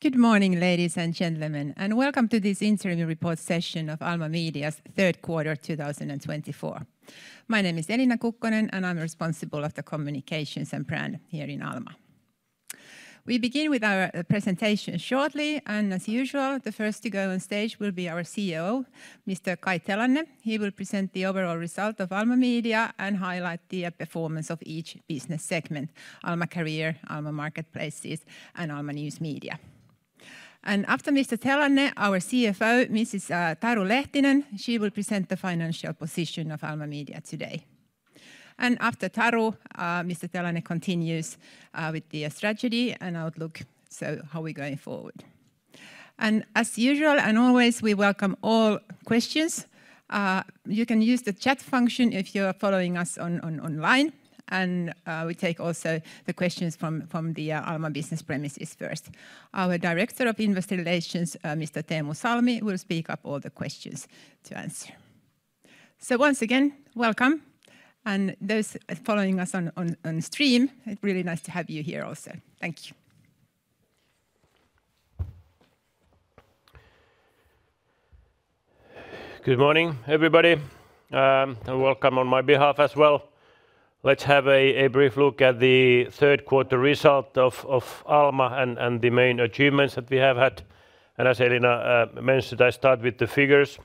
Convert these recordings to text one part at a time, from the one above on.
Good morning, ladies and gentlemen, and welcome to this interim report session of Alma Media's third quarter 2024. My name is Elina Kukkonen, and I'm responsible of the communications and brand here in Alma. We begin with our presentation shortly, and as usual, the first to go on stage will be our CEO, Mr. Kai Telanne. He will present the overall result of Alma Media and highlight the performance of each business segment: Alma Career, Alma Marketplaces, and Alma News Media. And after Mr. Telanne, our CFO, Mrs. Taru Lehtinen, she will present the financial position of Alma Media today. And after Taru, Mr. Telanne continues with the strategy and outlook, so how we're going forward. And as usual, and always, we welcome all questions. You can use the chat function if you are following us on online, and we take also the questions from the Alma business premises first. Our Director of Investor Relations, Mr. Teemu Salmi, will speak up all the questions to answer. So once again, welcome. And those following us on stream, it really nice to have you here also. Thank you. Good morning, everybody, and welcome on my behalf as well. Let's have a brief look at the third quarter result of Alma and the main achievements that we have had. As Elina mentioned, I start with the figures.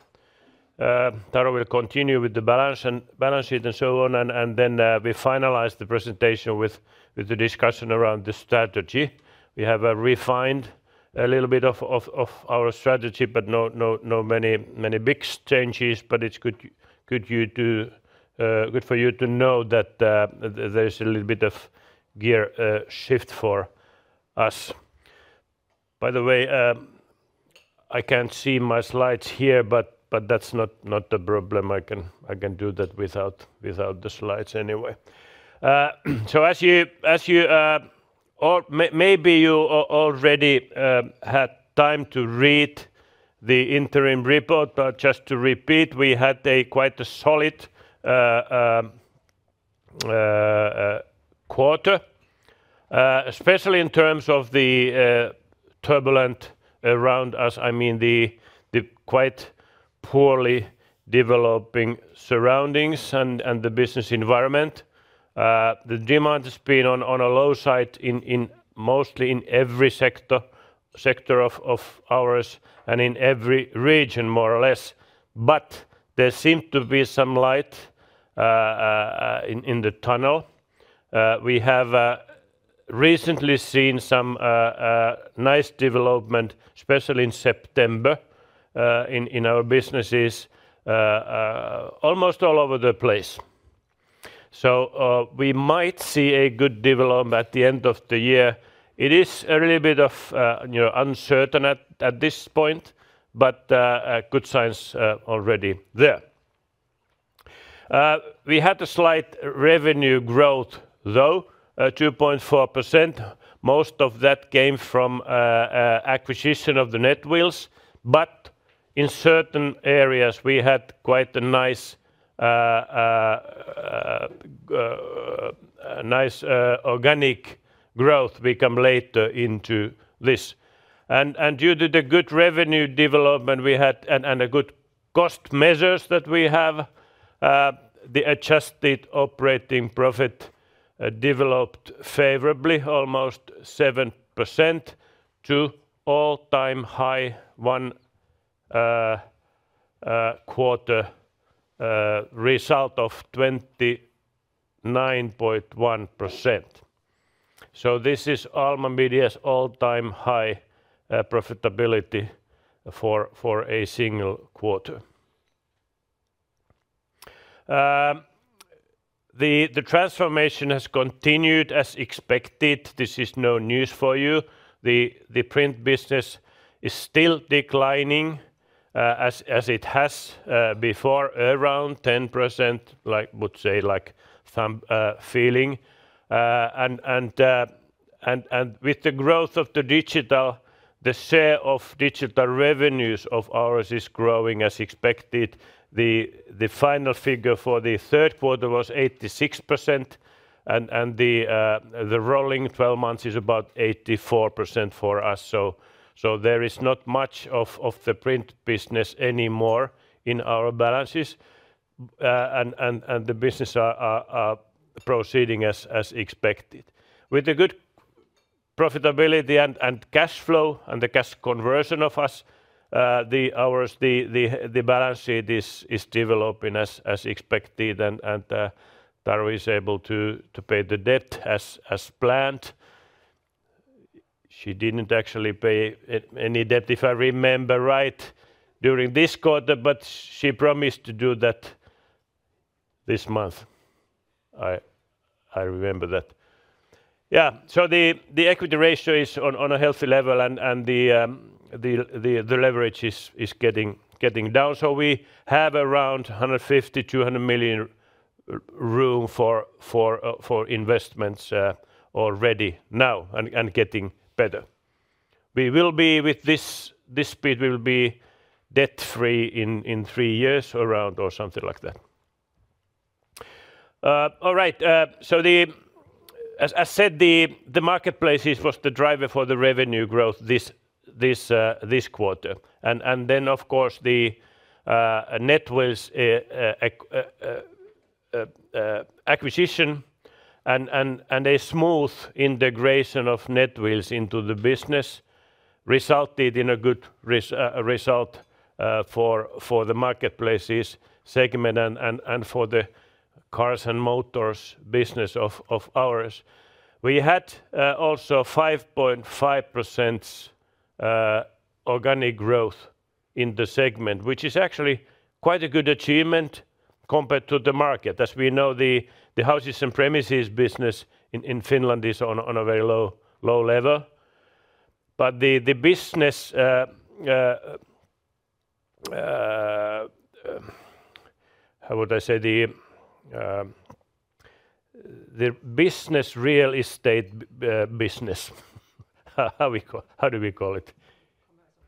Taru will continue with the balance and balance sheet and so on, and then we finalize the presentation with the discussion around the strategy. We have refined a little bit of our strategy, but no many big changes, but it's good for you to know that there is a little bit of gear shift for us. By the way, I can't see my slides here, but that's not a problem. I can do that without the slides anyway. So as you, or maybe you already had time to read the interim report, but just to repeat, we had a quite solid quarter, especially in terms of the turbulence around us, I mean, the quite poorly developing surroundings and the business environment. The demand has been on a low side in mostly every sector of ours and in every region, more or less. But there seem to be some light in the tunnel. We have recently seen some nice development, especially in September, in our businesses almost all over the place. So we might see a good development at the end of the year. It is a little bit of, you know, uncertain at this point, but good signs already there. We had a slight revenue growth, though, 2.4%. Most of that came from acquisition of the Netwheels, but in certain areas we had quite a nice organic growth we come later into this. And due to the good revenue development we had and a good cost measures that we have, the adjusted operating profit developed favorably almost 7% to all-time high one quarter result of 29.1%. So this is Alma Media's all-time high profitability for a single quarter. The transformation has continued as expected. This is no news for you. The print business is still declining, as it has before, around 10%, like, would say, like, thumb feeling. And with the growth of the digital, the share of digital revenues of ours is growing as expected. The final figure for the third quarter was 86%, and the rolling 12 months is about 84% for us. So there is not much of the print business anymore in our balances, and the business are proceeding as expected. With the good profitability and cash flow and the cash conversion of us, the ours, the balance sheet is developing as expected, and Taru is able to pay the debt as planned. She didn't actually pay any debt, if I remember right, during this quarter, but she promised to do that this month. I remember that. Yeah, so the equity ratio is on a healthy level, and the leverage is getting down. We have around 150-200 million EUR room for investments already now, and getting better. We will be with this speed, we will be debt-free in three years around or something like that. So as said, the marketplaces was the driver for the revenue growth this quarter. Then, of course, the Netwheels acquisition and a smooth integration of Netwheels into the business resulted in a good result for the marketplaces segment and for the cars and motors business of ours. We had also 5.5% organic growth in the segment, which is actually quite a good achievement compared to the market. As we know, the houses and premises business in Finland is on a very low level. But the business real estate business. How would I say? The business real estate business. How do we call it? Commercial.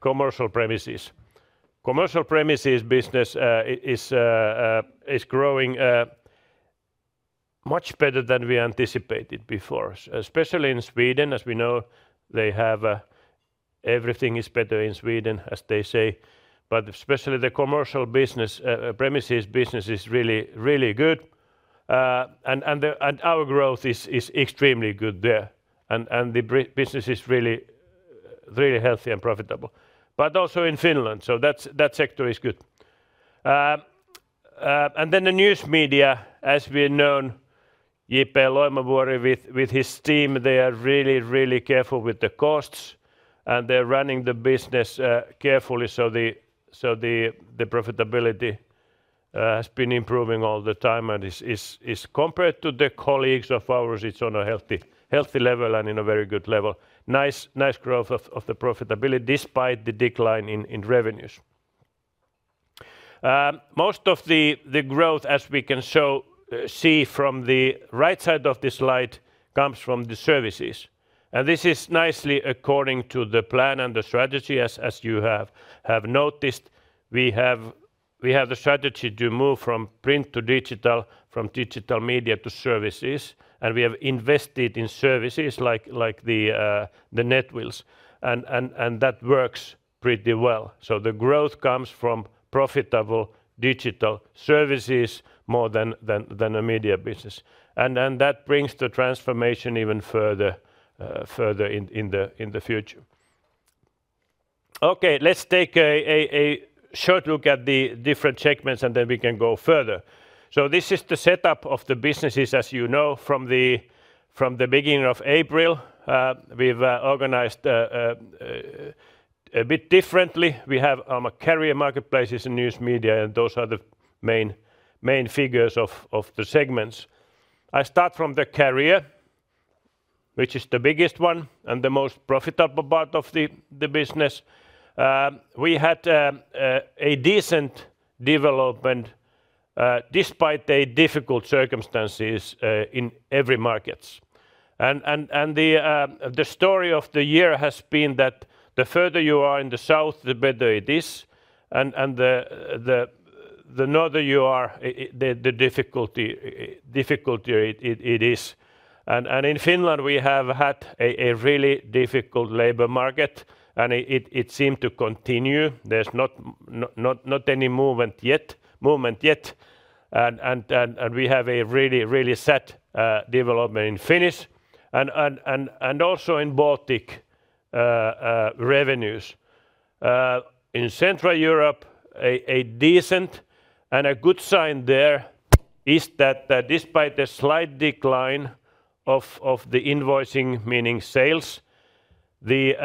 Commercial premises. Commercial premises business is growing much better than we anticipated before, especially in Sweden. As we know, everything is better in Sweden, as they say. But especially the commercial business premises business is really, really good. And our growth is extremely good there. And the business is really, really healthy and profitable. But also in Finland, so that sector is good. And then the news media, as we know, J-P Loimovuori with his team, they are really, really careful with the costs, and they're running the business carefully so the profitability has been improving all the time and is compared to the colleagues of ours, it's on a healthy, healthy level and in a very good level. Nice, nice growth of the profitability despite the decline in revenues. Most of the growth, as we can see from the right side of the slide, comes from the services. And this is nicely according to the plan and the strategy, as you have noticed. We have the strategy to move from print to digital, from digital media to services, and we have invested in services like the Netwheels, and that works pretty well. So the growth comes from profitable digital services more than the media business. And then that brings the transformation even further in the future. Okay, let's take a short look at the different segments, and then we can go further. So this is the setup of the businesses, as you know, from the beginning of April. We've organized a bit differently. We have Alma Career, Marketplaces and News Media, and those are the main figures of the segments. I start from Career, which is the biggest one and the most profitable part of the business. We had a decent development despite the difficult circumstances in every markets. And the story of the year has been that the further you are in the south, the better it is, and the northern you are, it the difficulty it is. And in Finland, we have had a really difficult labor market, and it seem to continue. There's not any movement yet, and we have a really sad development in Finnish and also in Baltic revenues. In Central Europe, a decent and a good sign there is that despite the slight decline of the invoicing, meaning sales, the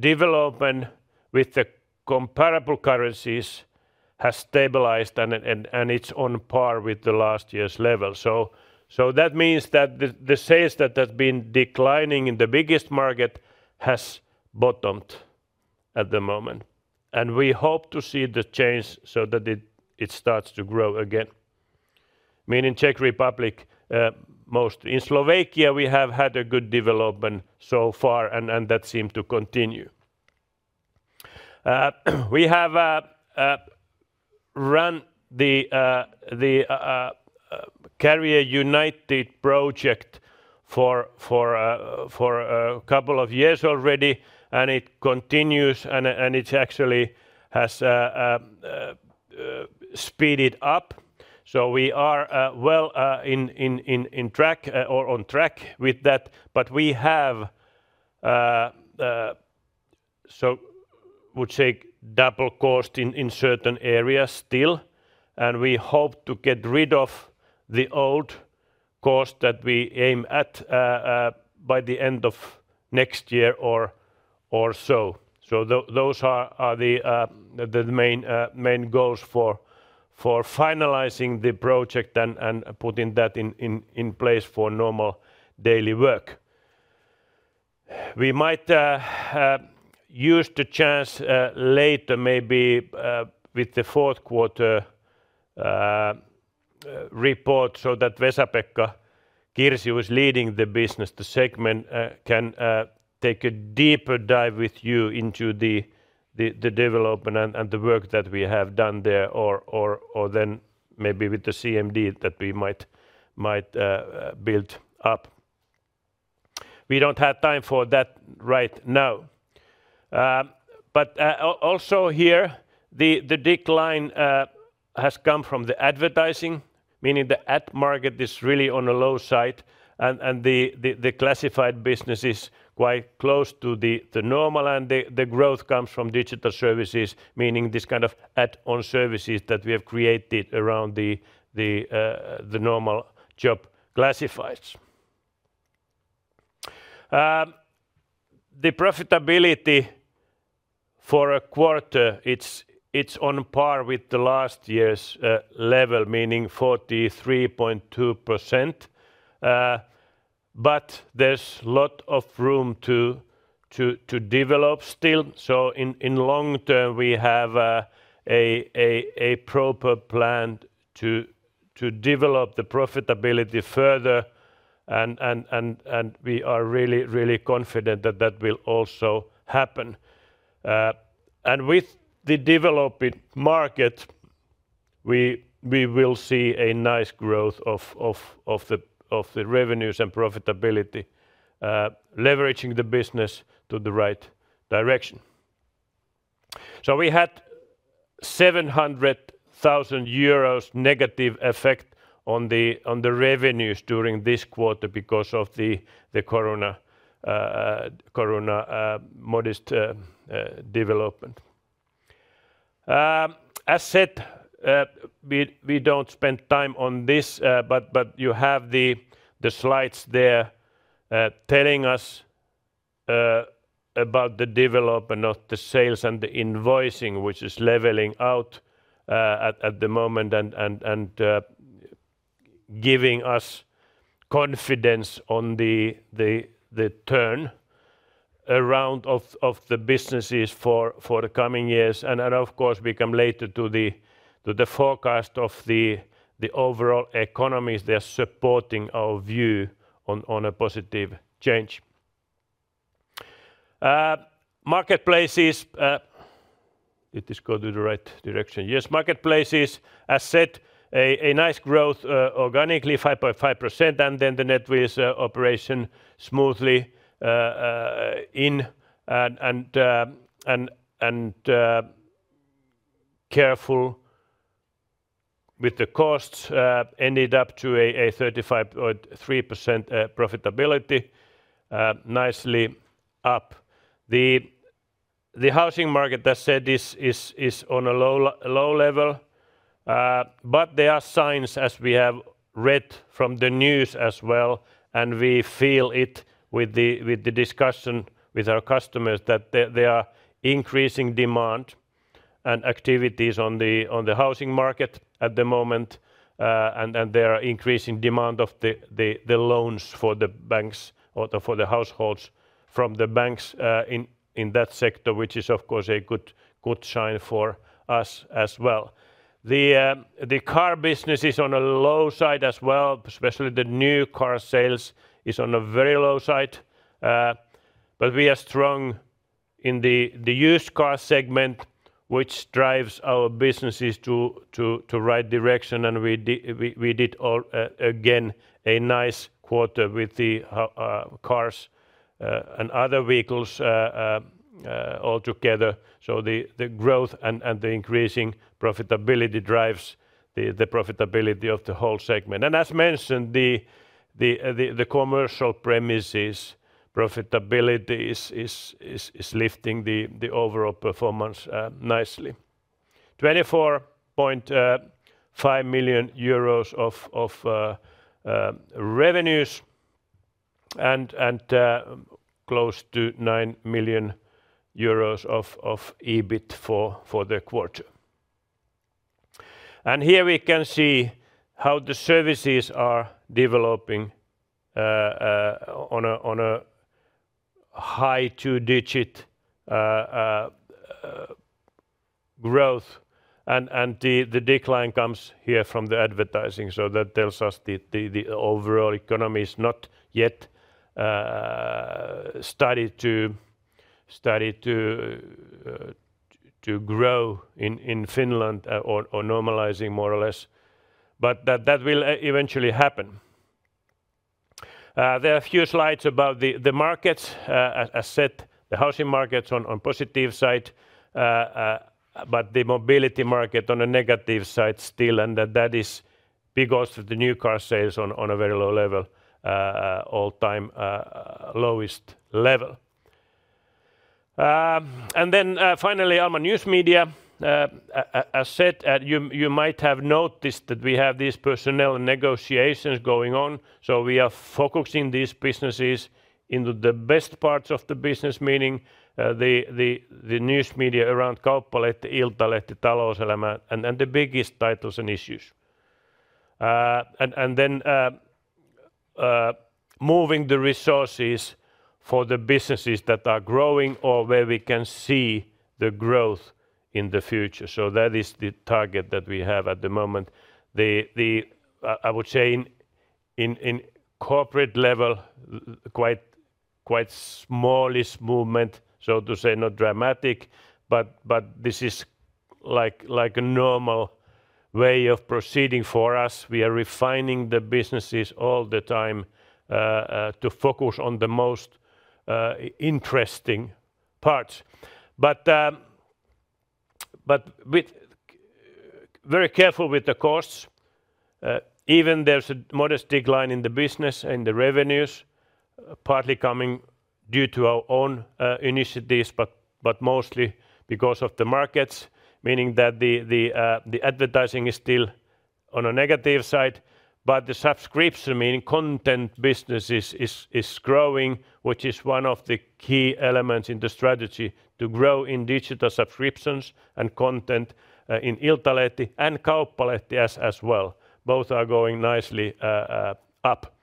development with the comparable currencies has stabilized and it's on par with the last year's level. So that means that the sales that has been declining in the biggest market has bottomed at the moment, and we hope to see the change so that it starts to grow again, meaning Czech Republic most. In Slovakia, we have had a good development so far, and that seem to continue. We have run the Career United project for a couple of years already, and it continues, and it actually has speeded up. So we are well on track with that, but we have so would say double cost in certain areas still, and we hope to get rid of the old cost that we aim at by the end of next year or so. So those are the main goals for finalizing the project and putting that in place for normal daily work. We might use the chance later, maybe, with the fourth quarter... report so that Vesa-Pekka Kirsi, who is leading the business, the segment, can take a deeper dive with you into the development and the work that we have done there or then maybe with the CMD that we might build up. We don't have time for that right now. But also here, the decline has come from the advertising, meaning the ad market is really on the low side, and the classified business is quite close to the normal and the growth comes from digital services, meaning this kind of add-on services that we have created around the normal job classifieds. The profitability for a quarter, it's on par with the last year's level, meaning 43.2%. But there's lot of room to develop still. So in long term, we have a proper plan to develop the profitability further, and we are really, really confident that that will also happen. And with the developing market, we will see a nice growth of the revenues and profitability, leveraging the business to the right direction. So we had 700,000 euros negative effect on the revenues during this quarter because of the koruna modest development. As said, we don't spend time on this, but you have the slides there telling us about the development of the sales and the invoicing, which is leveling out at the moment and giving us confidence on the turnaround of the businesses for the coming years. Then, of course, we come later to the forecast of the overall economies. They're supporting our view on a positive change. Marketplaces... Did this go to the right direction? Yes. Marketplaces, as said, a nice growth organically 5.5%, and then the Netwheels operation smoothly integrated and careful with the costs ended up to a 35.3% profitability nicely up. The housing market, as said, is on a low level. But there are signs, as we have read from the news as well, and we feel it with the discussion with our customers, that there are increasing demand and activities on the housing market at the moment, and there are increasing demand of the loans for the banks or for the households from the banks, in that sector, which is, of course, a good sign for us as well. The car business is on a low side as well, especially the new car sales is on a very low side. But we are strong in the used car segment, which drives our businesses to right direction, and we did again a nice quarter with the cars and other vehicles all together. So the growth and the increasing profitability drives the profitability of the whole segment. And as mentioned, the commercial premises profitability is lifting the overall performance nicely. 24.5 million euros of revenues and close to 9 million euros of EBIT for the quarter. And here we can see how the services are developing on a high two-digit growth, and the decline comes here from the advertising. So that tells us the overall economy is not yet started to grow in Finland or normalizing more or less, but that will eventually happen. There are a few slides about the markets. As said, the housing market's on positive side, but the mobility market on a negative side still, and that is because of the new car sales on a very low level, all-time lowest level. And then, finally, Alma News Media. As said, you might have noticed that we have these personnel negotiations going on, so we are focusing these businesses in the best parts of the business, meaning, the news media around Kauppalehti, Iltalehti, Talouselämä, and then the biggest titles and issues. And then moving the resources for the businesses that are growing or where we can see the growth in the future. So that is the target that we have at the moment. I would say in corporate level quite smallish movement, so to say, not dramatic, but this is like a normal way of proceeding for us. We are refining the businesses all the time to focus on the most interesting parts. But very careful with the costs, even there's a modest decline in the business and the revenues, partly coming due to our own initiatives, but mostly because of the markets, meaning that the advertising is still on a negative side. But the subscription, meaning content business, is growing, which is one of the key elements in the strategy to grow in digital subscriptions and content in Iltalehti and Kauppalehti as well. Both are going nicely up,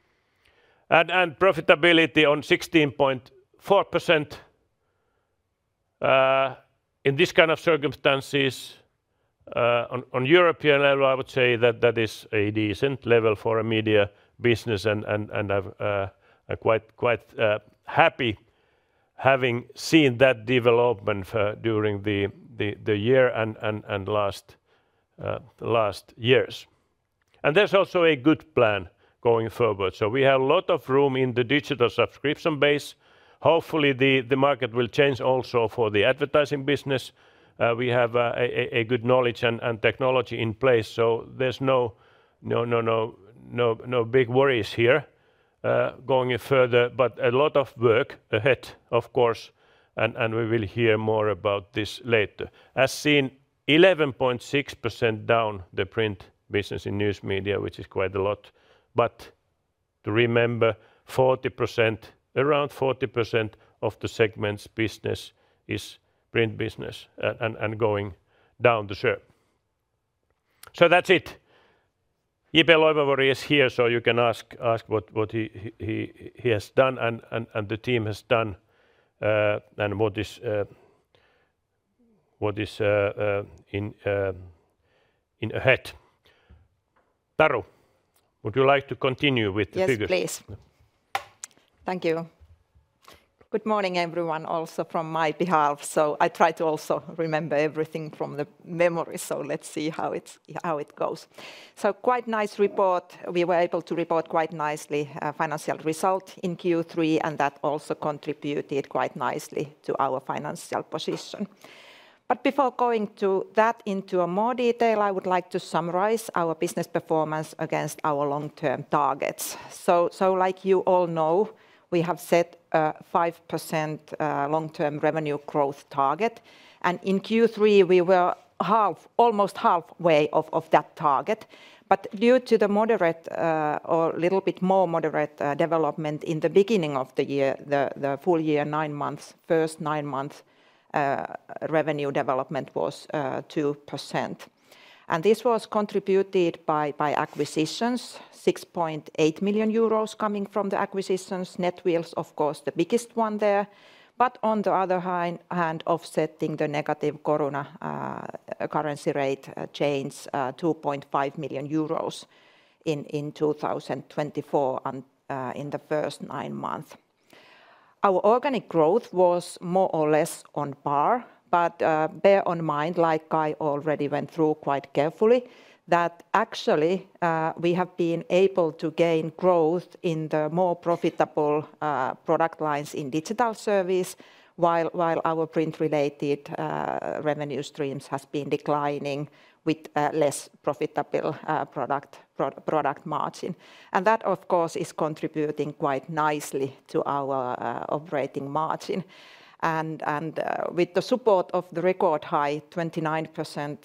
and profitability on 16.4% in this kind of circumstances on European level, I would say that that is a decent level for a media business. And I'm quite happy having seen that development during the year and the last years. And there's also a good plan going forward, so we have a lot of room in the digital subscription base. Hopefully, the market will change also for the advertising business. We have a good knowledge and technology in place, so there's no big worries here going further. But a lot of work ahead, of course, and we will hear more about this later. As seen, 11.6% down the print business in news media, which is quite a lot. But to remember 40%, around 40% of the segment's business is print business and going down the share. So that's it. Juha-Petri Loimovuori is here, so you can ask what he has done and the team has done, and what is ahead. Taru, would you like to continue with the figures? Yes, please. Thank you. Good morning, everyone, also from my behalf. So I try to also remember everything from the memory, so let's see how it's... how it goes. So, quite nice report. We were able to report quite nicely, financial result in Q3, and that also contributed quite nicely to our financial position. But before going to that into a more detail, I would like to summarize our business performance against our long-term targets. So, so like you all know, we have set a 5%, long-term revenue growth target, and in Q3 we were half, almost halfway of, of that target. But due to the moderate, or little bit more moderate, development in the beginning of the year, the, the full year, nine months, first nine-month, revenue development was, two percent. This was contributed by acquisitions, 6.8 million euros coming from the acquisitions. Netwheels, of course, the biggest one there. On the other hand, offsetting the negative koruna currency rate change, 2.5 million euros in 2024 and in the first nine months. Our organic growth was more or less on par. Bear in mind, like I already went through quite carefully, that actually we have been able to gain growth in the more profitable product lines in digital service, while our print-related revenue streams has been declining with less profitable product margin. And that, of course, is contributing quite nicely to our operating margin. With the support of the record-high 29%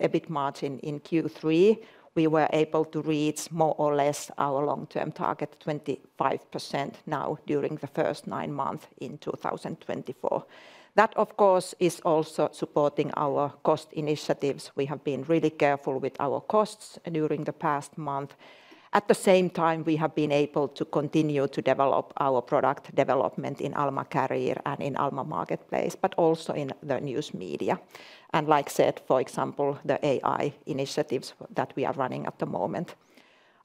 EBIT margin in Q3, we were able to reach more or less our long-term target, 25% now during the first nine months in two thousand twenty-four. That, of course, is also supporting our cost initiatives. We have been really careful with our costs during the past month. At the same time, we have been able to continue to develop our product development in Alma Career and in Alma Marketplace, but also in the news media. And like I said, for example, the AI initiatives that we are running at the moment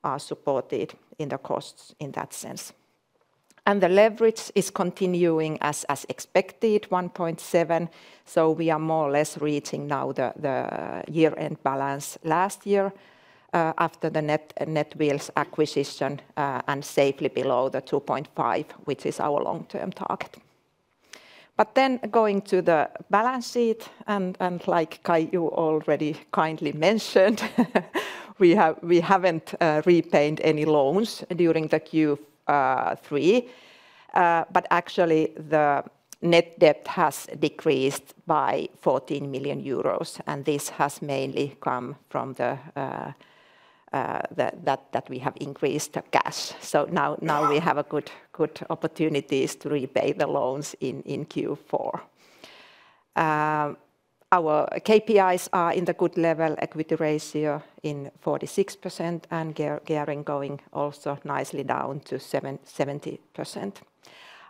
are supported in the costs in that sense. The leverage is continuing as expected, 1.7, so we are more or less reaching now the year-end balance last year after the Netwheels acquisition, and safely below the 2.5, which is our long-term target. But then going to the balance sheet, and like Kai, you already kindly mentioned, we haven't repaid any loans during the Q3. But actually, the net debt has decreased by 14 million euros, and this has mainly come from that we have increased the cash. So now we have good opportunities to repay the loans in Q4. Our KPIs are in the good level, equity ratio in 46%, and gearing going also nicely down to 70%.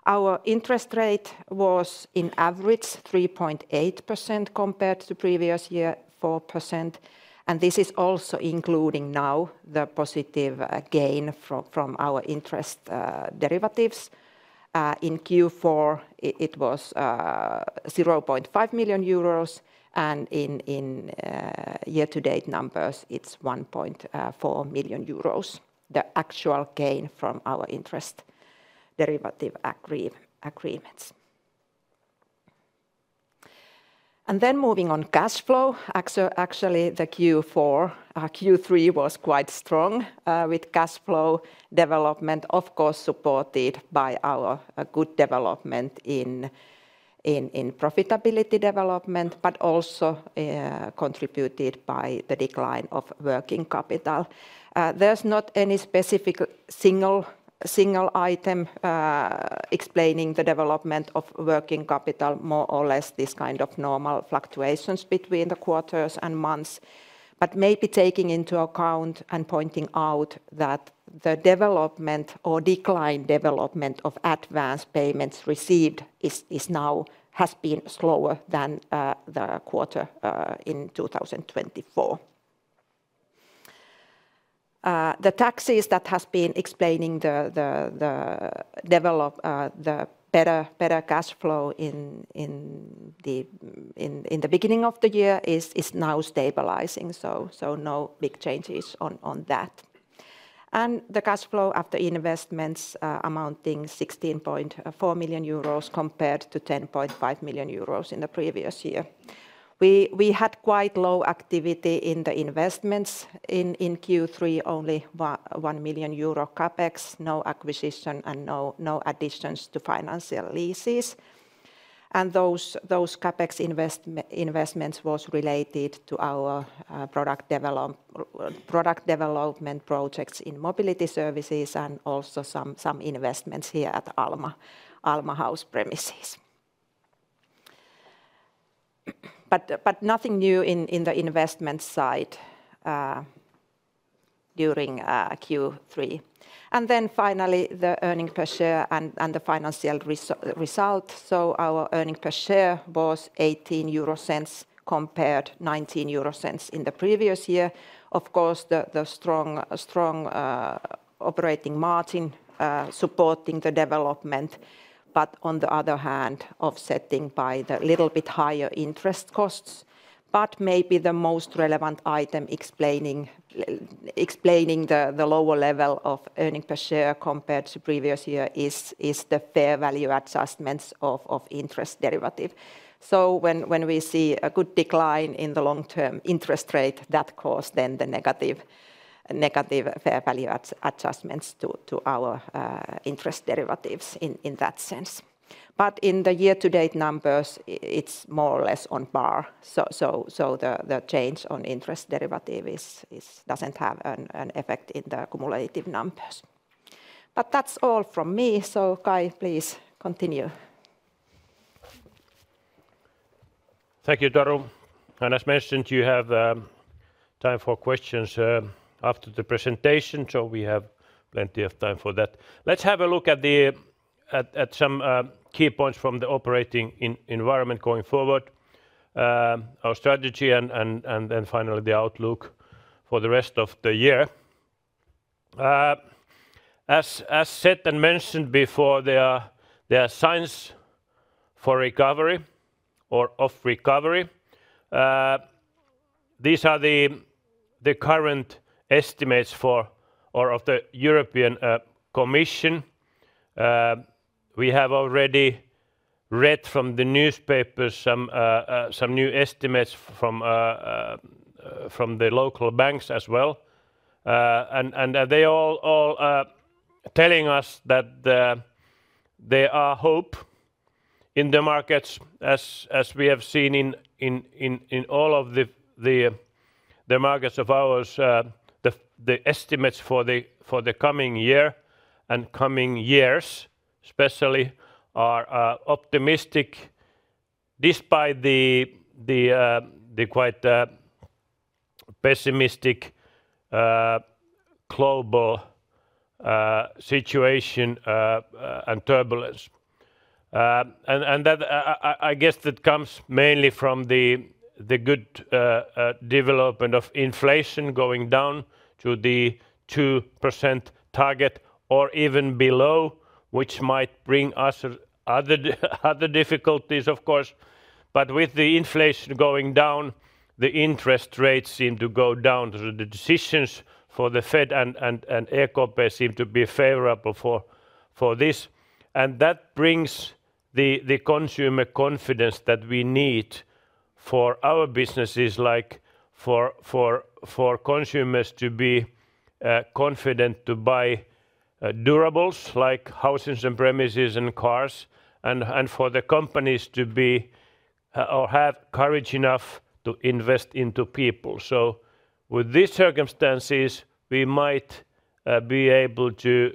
Our interest rate was, in average, 3.8% compared to previous year, 4%, and this is also including now the positive gain from our interest derivatives. In Q4, it was 0.5 million euros, and in year-to-date numbers, it's 1.4 million euros, the actual gain from our interest derivative agreements. And then moving on cash flow, actually, the Q4, Q3 was quite strong with cash flow development, of course, supported by our good development in profitability development, but also contributed by the decline of working capital. There's not any specific single item explaining the development of working capital, more or less this kind of normal fluctuations between the quarters and months. But maybe taking into account and pointing out that the development or decline development of advance payments received is now has been slower than the quarter in 2024. The taxes that has been explaining the better cash flow in the beginning of the year is now stabilizing, so no big changes on that. And the cash flow after investments amounting 16.4 million euros compared to 10.5 million euros in the previous year. We had quite low activity in the investments. In Q3, only 1 million euro CapEx, no acquisition, and no additions to financial leases. Those CapEx investments were related to our product development projects in mobility services and also some investments here at Alma House premises. But nothing new in the investment side during Q3. Then finally, the earnings per share and the financial result. Our earnings per share was 0.18 compared to 0.19 in the previous year. Of course, the strong operating margin supporting the development, but on the other hand, offsetting by the little bit higher interest costs. But maybe the most relevant item explaining the lower level of earnings per share compared to previous year is the fair value adjustments of interest derivatives. So when we see a good decline in the long-term interest rate, that causes then the negative fair value adjustments to our interest derivatives in that sense. But in the year-to-date numbers, it's more or less on par. So the change on interest derivative is... doesn't have an effect in the cumulative numbers. But that's all from me, so Kai, please continue. Thank you, Taru, and as mentioned, you have time for questions after the presentation, so we have plenty of time for that. Let's have a look at some key points from the operating environment going forward, our strategy, and then finally, the outlook for the rest of the year. As said and mentioned before, there are signs for recovery or of recovery. These are the current estimates for or of the European Commission. We have already read from the newspapers some new estimates from the local banks as well. And they all telling us that there are hope in the markets as we have seen in all of the markets of ours. The estimates for the coming year and coming years especially are optimistic despite the quite pessimistic global situation and turbulence. And that I guess that comes mainly from the good development of inflation going down to the 2% target or even below, which might bring us other difficulties, of course. But with the inflation going down, the interest rates seem to go down. The decisions for the Fed and ECB seem to be favorable for this, and that brings the consumer confidence that we need for our businesses, like for consumers to be confident to buy durables like houses and premises and cars, and for the companies to be or have courage enough to invest into people. With these circumstances, we might be able to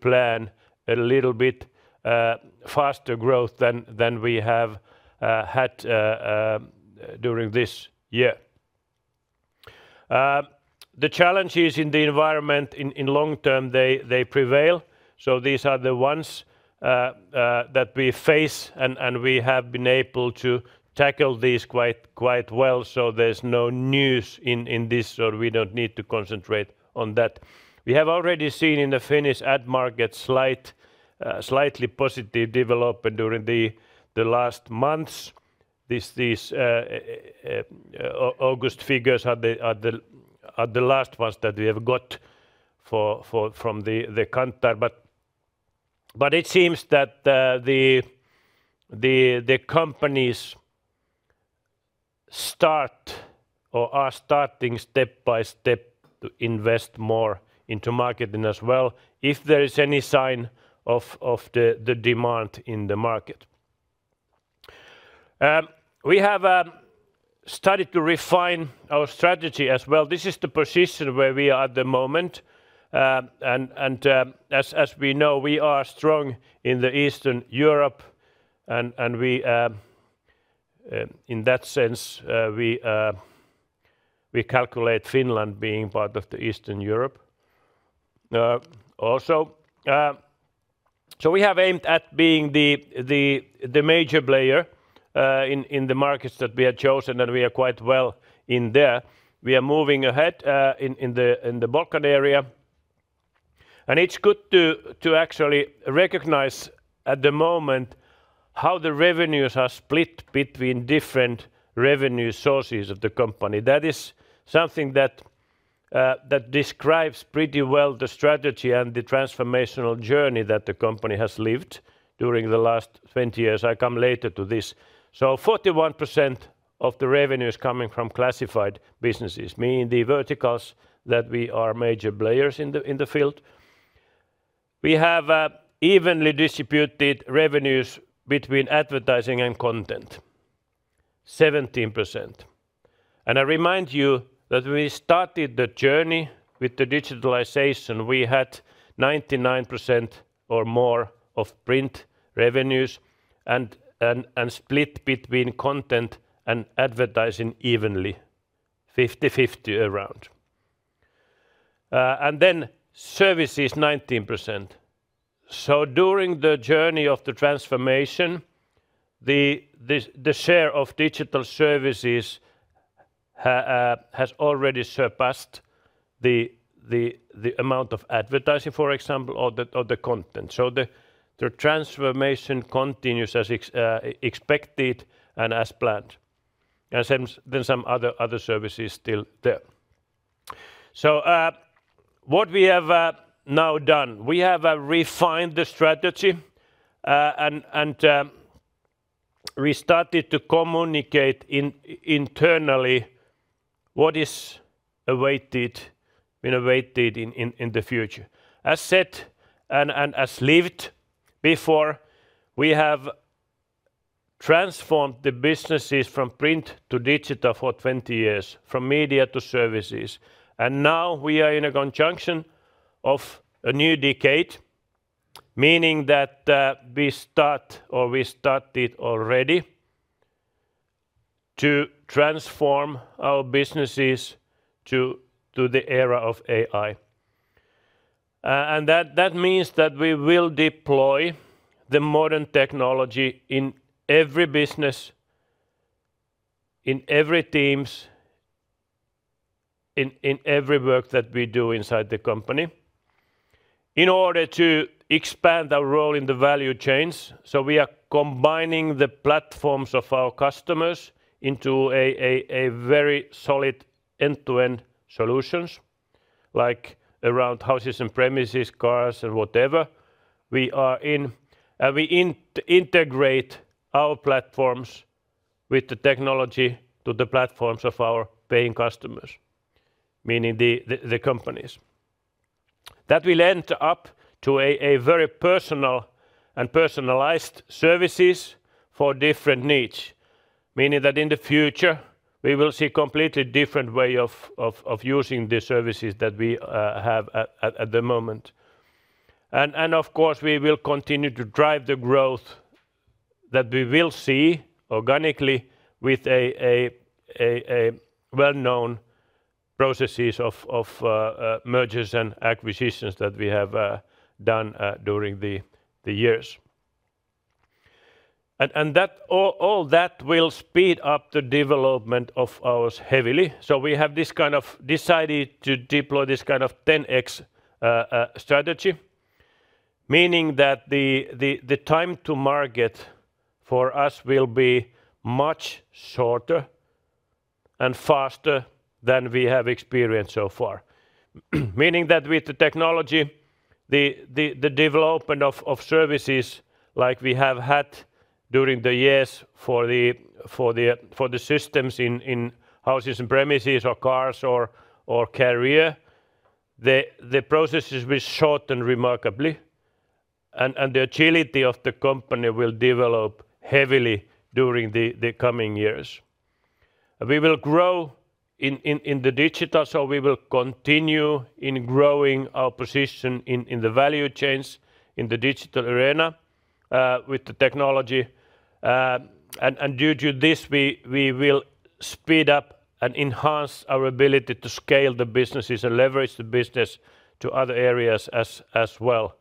plan a little bit faster growth than we have had during this year. The challenges in the environment in the long term, they prevail. These are the ones that we face, and we have been able to tackle these quite well, so there's no news in this, so we don't need to concentrate on that. We have already seen in the Finnish ad market slightly positive development during the last months. These August figures are the last ones that we have got from the Kantar. It seems that the companies start or are starting step by step to invest more into marketing as well, if there is any sign of the demand in the market. We have started to refine our strategy as well. This is the position where we are at the moment. As we know, we are strong in the Eastern Europe, and in that sense we calculate Finland being part of the Eastern Europe also. We have aimed at being the major player in the markets that we have chosen, and we are quite well in there. We are moving ahead in the Balkans. It's good to actually recognize at the moment how the revenues are split between different revenue sources of the company. That is something that describes pretty well the strategy and the transformational journey that the company has lived during the last twenty years. I come later to this, so 41% of the revenue is coming from classified businesses, meaning the verticals that we are major players in the field. We have evenly distributed revenues between advertising and content, 17%. And I remind you that we started the journey with the digitalization. We had 99% or more of print revenues and split between content and advertising evenly, fifty-fifty around, and then services, 19%. So during the journey of the transformation, the share of digital services has already surpassed the amount of advertising, for example, or the content. So the transformation continues as expected and as planned. And then some other services still there. So, what we have now done? We have refined the strategy, and we started to communicate internally what is awaited, innovative in the future. As said, as lived before, we have transformed the businesses from print to digital for twenty years, from media to services. And now we are in a conjunction of a new decade, meaning that, we start, or we started already, to transform our businesses to the era of AI. And that means that we will deploy the modern technology in every business, in every teams, in every work that we do inside the company in order to expand our role in the value chains. So we are combining the platforms of our customers into a very solid end-to-end solutions, like around houses and premises, cars, and whatever. We integrate our platforms with the technology to the platforms of our paying customers, meaning the companies. That will end up to a very personal and personalized services for different needs, meaning that in the future, we will see completely different way of using the services that we have at the moment. Of course, we will continue to drive the growth that we will see organically with well-known processes of mergers and acquisitions that we have done during the years. That all will speed up the development of ours heavily. We have this kind of decided to deploy this kind of 10X strategy, meaning that the time to market for us will be much shorter and faster than we have experienced so far. Meaning that with the technology, the development of services like we have had during the years for the systems in houses and premises or cars or career, the processes will shorten remarkably, and the agility of the company will develop heavily during the coming years. We will grow in the digital, so we will continue in growing our position in the value chains in the digital arena with the technology. Due to this, we will speed up and enhance our ability to scale the businesses and leverage the business to other areas as well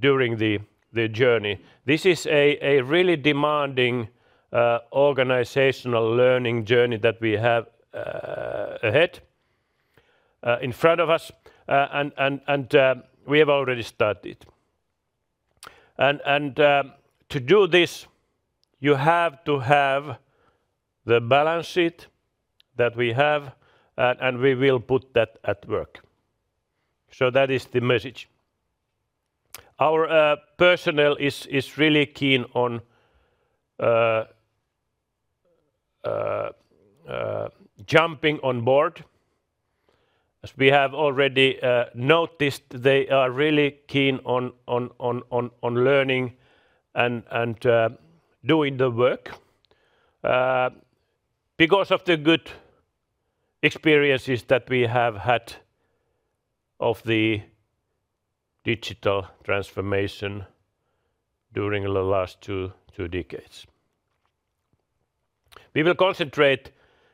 during the journey. This is a really demanding organizational learning journey that we have ahead in front of us. We have already started. To do this, you have to have the balance sheet that we have, and we will put that at work. So that is the message. Our personnel is really keen on jumping on board. As we have already noticed, they are really keen on learning and doing the work because of the good experiences that we have had of the digital transformation during the last two decades. We will concentrate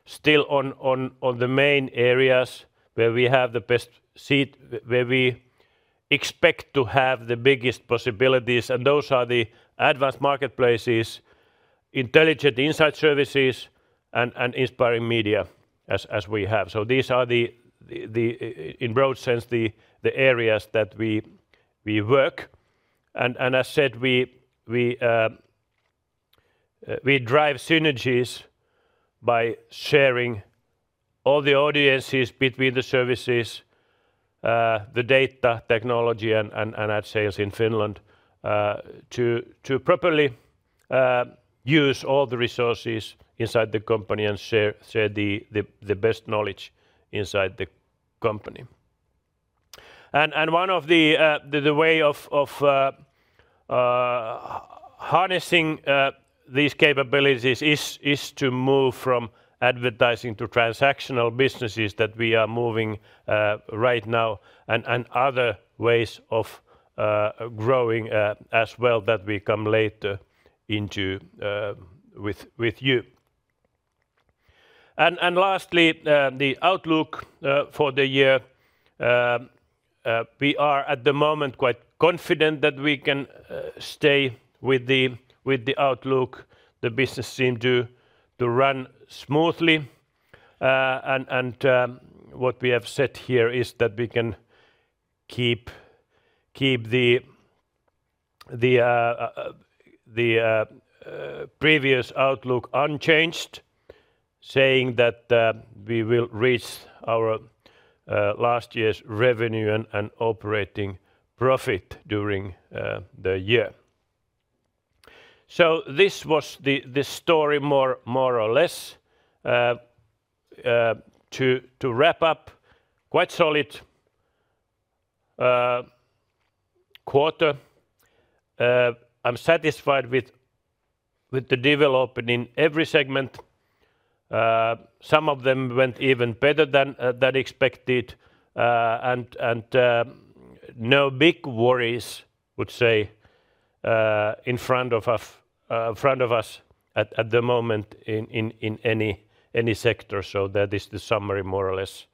still on the main areas where we have the best seat, where we expect to have the biggest possibilities, and those are the advanced marketplaces, intelligent insight services, and inspiring media as we have. So these are the in broad sense, the areas that we work. And as said, we drive synergies by sharing all the audiences between the services, the data technology, and ad sales in Finland to properly use all the resources inside the company and share the best knowledge inside the company. And one of the way of harnessing these capabilities is to move from advertising to transactional businesses that we are moving right now, and other ways of growing as well that we come later into with you. And lastly, the outlook for the year. We are at the moment quite confident that we can stay with the outlook. The business seem to run smoothly. And what we have said here is that we can keep the previous outlook unchanged, saying that we will reach our last year's revenue and operating profit during the year. So this was the story more or less. To wrap up, quite solid quarter. I'm satisfied with the development in every segment. Some of them went even better than expected. And no big worries, I would say, in front of us at the moment in any sector. So that is the summary, more or less.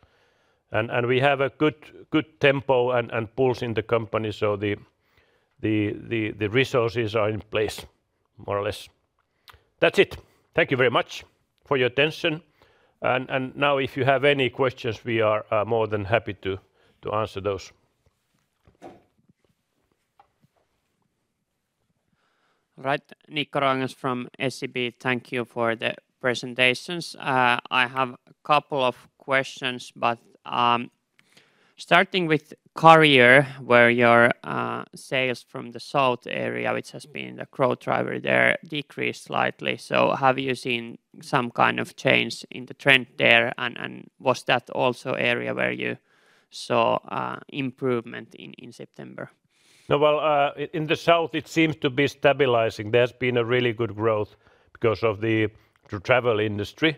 And we have a good tempo and pulse in the company, so the resources are in place, more or less. That's it. Thank you very much for your attention. And now if you have any questions, we are more than happy to answer those. All right, Niko Rogers from SEB. Thank you for the presentations. I have a couple of questions, but, starting with Career, where your sales from the south area, which has been the growth driver there, decreased slightly. So have you seen some kind of change in the trend there? And was that also area where you saw improvement in September? No, well, in the south, it seems to be stabilizing. There's been a really good growth because of the travel industry,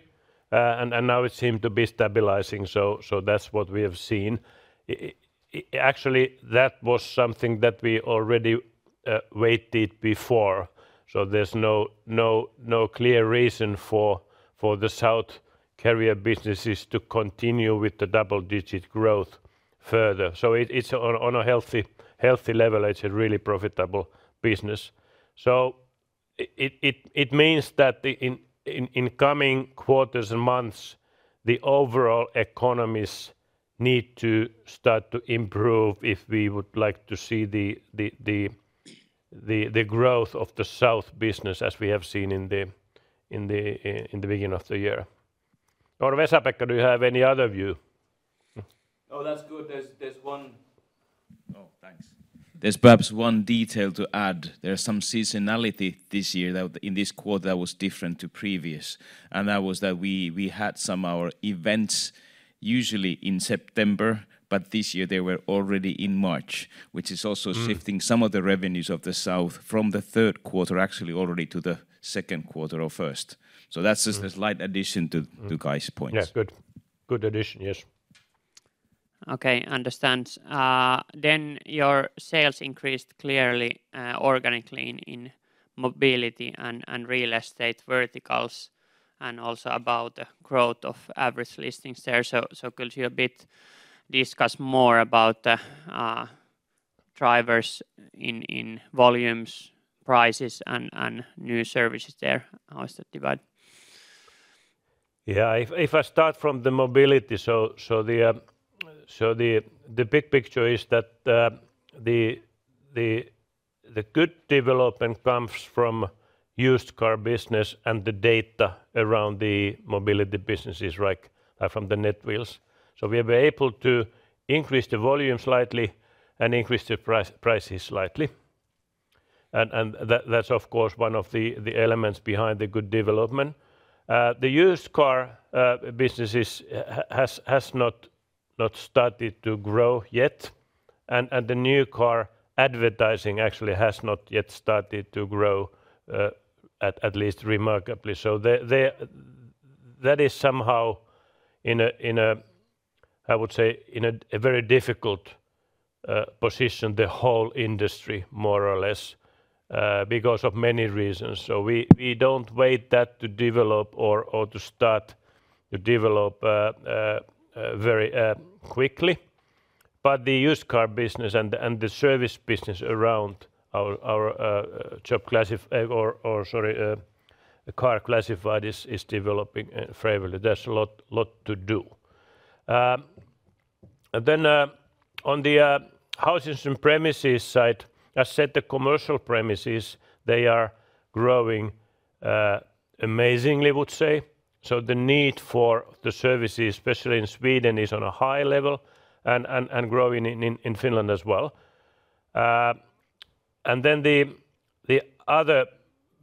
and now it seems to be stabilizing, so that's what we have seen. Actually, that was something that we already waited before, so there's no clear reason for the south career businesses to continue with the double-digit growth further. So it's on a healthy level. It's a really profitable business. So it means that in the coming quarters and months, the overall economies need to start to improve if we would like to see the growth of the south business as we have seen in the beginning of the year. Or Vesa-Pekka, do you have any other view? No, that's good. There's one-... There's perhaps one detail to add. There are some seasonality this year that, in this quarter, that was different to previous, and that was that we had some of our events usually in September, but this year they were already in March, which is also- Mm Shifting some of the revenues of the South from the third quarter actually already to the second quarter or first. Mm. So that's just a slight addition to- Mm to Kai's points. Yeah, good. Good addition, yes. Okay, understood. Then your sales increased clearly organically in mobility and real estate verticals, and also about the growth of average listings there. So could you a bit discuss more about the drivers in volumes, prices, and new services there? How is that divided? Yeah, if I start from the mobility, so the big picture is that the good development comes from used car business and the data around the mobility businesses, right, from the Netwheels. So we have been able to increase the volume slightly and increase the prices slightly. And that, that's, of course, one of the elements behind the good development. The used car businesses has not started to grow yet, and the new car advertising actually has not yet started to grow, at least remarkably. That is somehow in a, I would say, in a very difficult position, the whole industry, more or less, because of many reasons. So we don't want that to develop or to start to develop very quickly. But the used car business and the service business around our car classifieds is developing favorably. There's a lot to do. And then on the houses and premises side, as said, the commercial premises, they are growing amazingly, I would say. So the need for the services, especially in Sweden, is on a high level and growing in Finland as well. And then the other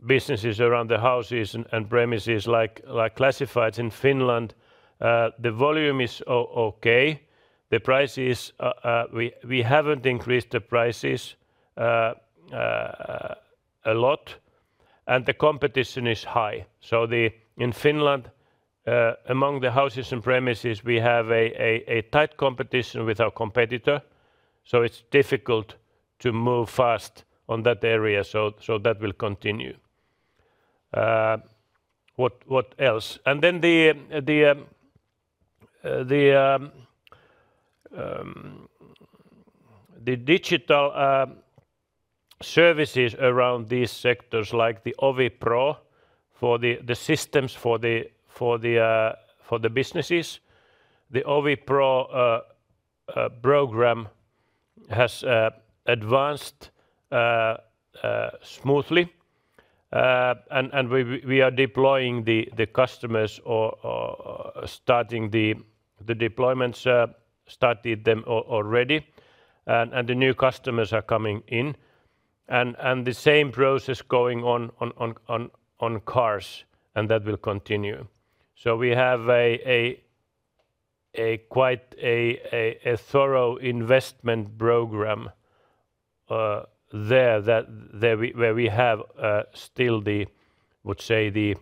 businesses around the houses and premises like classifieds in Finland, the volume is okay. The prices, we haven't increased the prices a lot, and the competition is high. So, in Finland, among the houses and premises, we have a tight competition with our competitor, so it's difficult to move fast on that area. So that will continue. What else? And then the digital services around these sectors, like the OviPro for the systems for the businesses. The OviPro program has advanced smoothly. And we are deploying the customers or starting the deployments. The deployments started already, and the new customers are coming in. And the same process going on cars, and that will continue. So we have a quite thorough investment program there where we have still the, I would say, the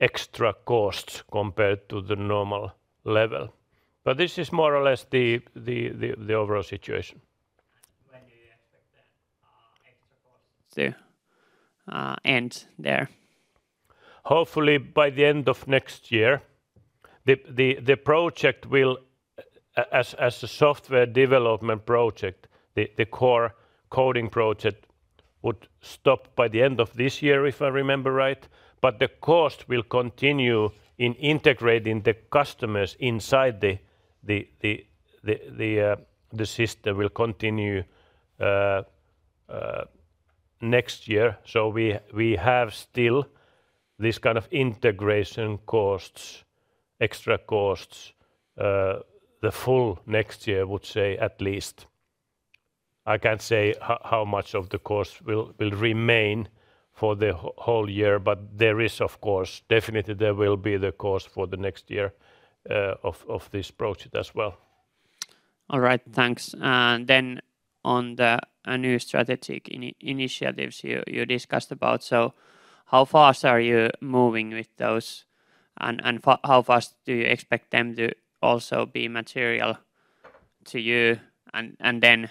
extra costs compared to the normal level. But this is more or less the overall situation. When do you expect the extra costs to end there? Hopefully, by the end of next year. The project will, as a software development project, the core coding project would stop by the end of this year, if I remember right. But the cost will continue in integrating the customers inside the system will continue next year. So we have still this kind of integration costs, extra costs, the full next year, I would say, at least. I can't say how much of the cost will remain for the whole year, but there is, of course, definitely there will be the cost for the next year, of this project as well. All right, thanks. And then on the new strategic initiatives you discussed about, so how fast are you moving with those, and how fast do you expect them to also be material to you? And then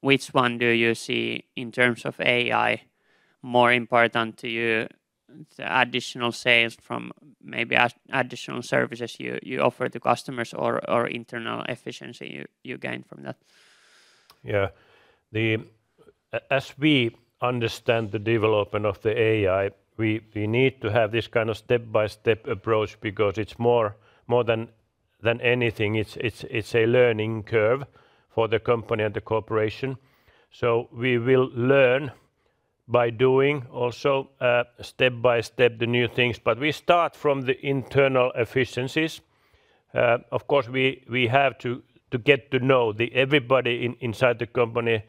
which one do you see, in terms of AI, more important to you, the additional sales from maybe additional services you offer to customers or internal efficiency you gain from that? Yeah. As we understand the development of the AI, we need to have this kind of step-by-step approach because it's more than anything, it's a learning curve for the company and the corporation. So we will learn by doing also, step by step, the new things. But we start from the internal efficiencies. Of course, we have to get to know everybody inside the company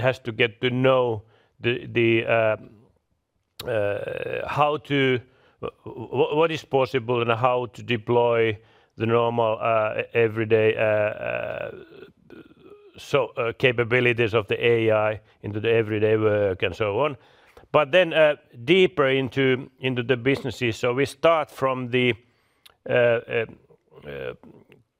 has to get to know how to what is possible and how to deploy the normal everyday capabilities of the AI into the everyday work and so on. But then deeper into the businesses. So we start from the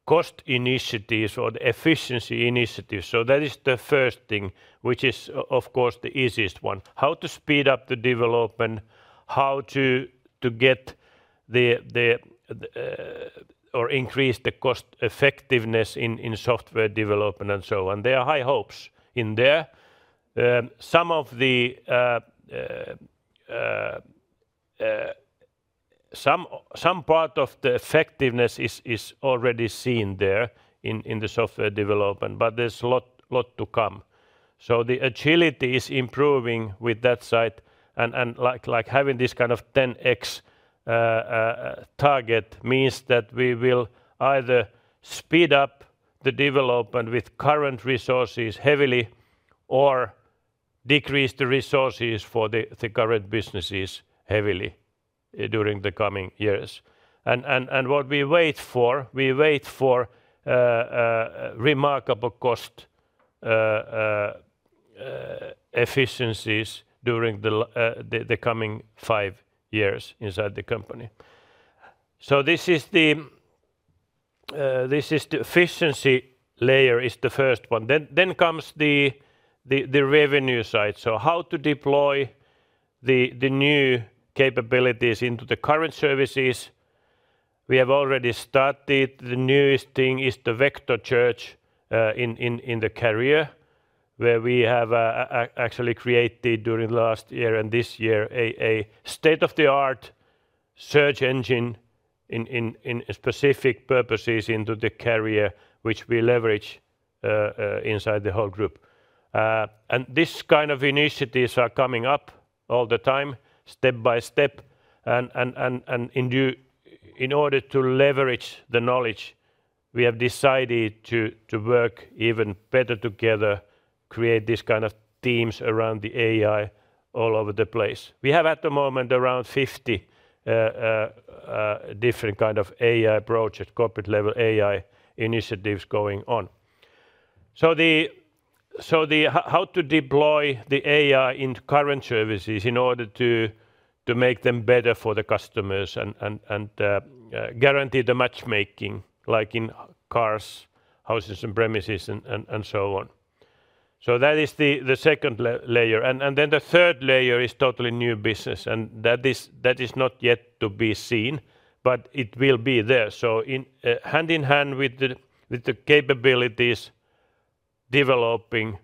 cost initiatives or the efficiency initiatives. So that is the first thing, which is, of course, the easiest one. How to speed up the development, how to get or increase the cost effectiveness in software development, and so on. There are high hopes in there. Some of the some part of the effectiveness is already seen there in software development, but there's a lot to come. So the agility is improving with that side, and like having this kind of 10X target means that we will either speed up the development with current resources heavily or decrease the resources for the current businesses heavily during the coming years. What we wait for is remarkable cost efficiencies during the coming five years inside the company. So this is the efficiency layer is the first one. Then comes the revenue side. So how to deploy the new capabilities into the current services. We have already started. The newest thing is the vector search in the Career, where we have actually created during last year and this year, a state-of-the-art search engine in specific purposes into the Career, which we leverage inside the whole group. And this kind of initiatives are coming up all the time, step by step, and in order to leverage the knowledge, we have decided to work even better together, create this kind of teams around the AI all over the place. We have, at the moment, around 50 different kind of AI projects, corporate-level AI initiatives going on. So how to deploy the AI into current services in order to make them better for the customers and guarantee the matchmaking, like in cars, houses, and premises, and so on. So that is the second layer. And then the third layer is totally new business, and that is not yet to be seen, but it will be there. So in hand in hand with the capabilities developing,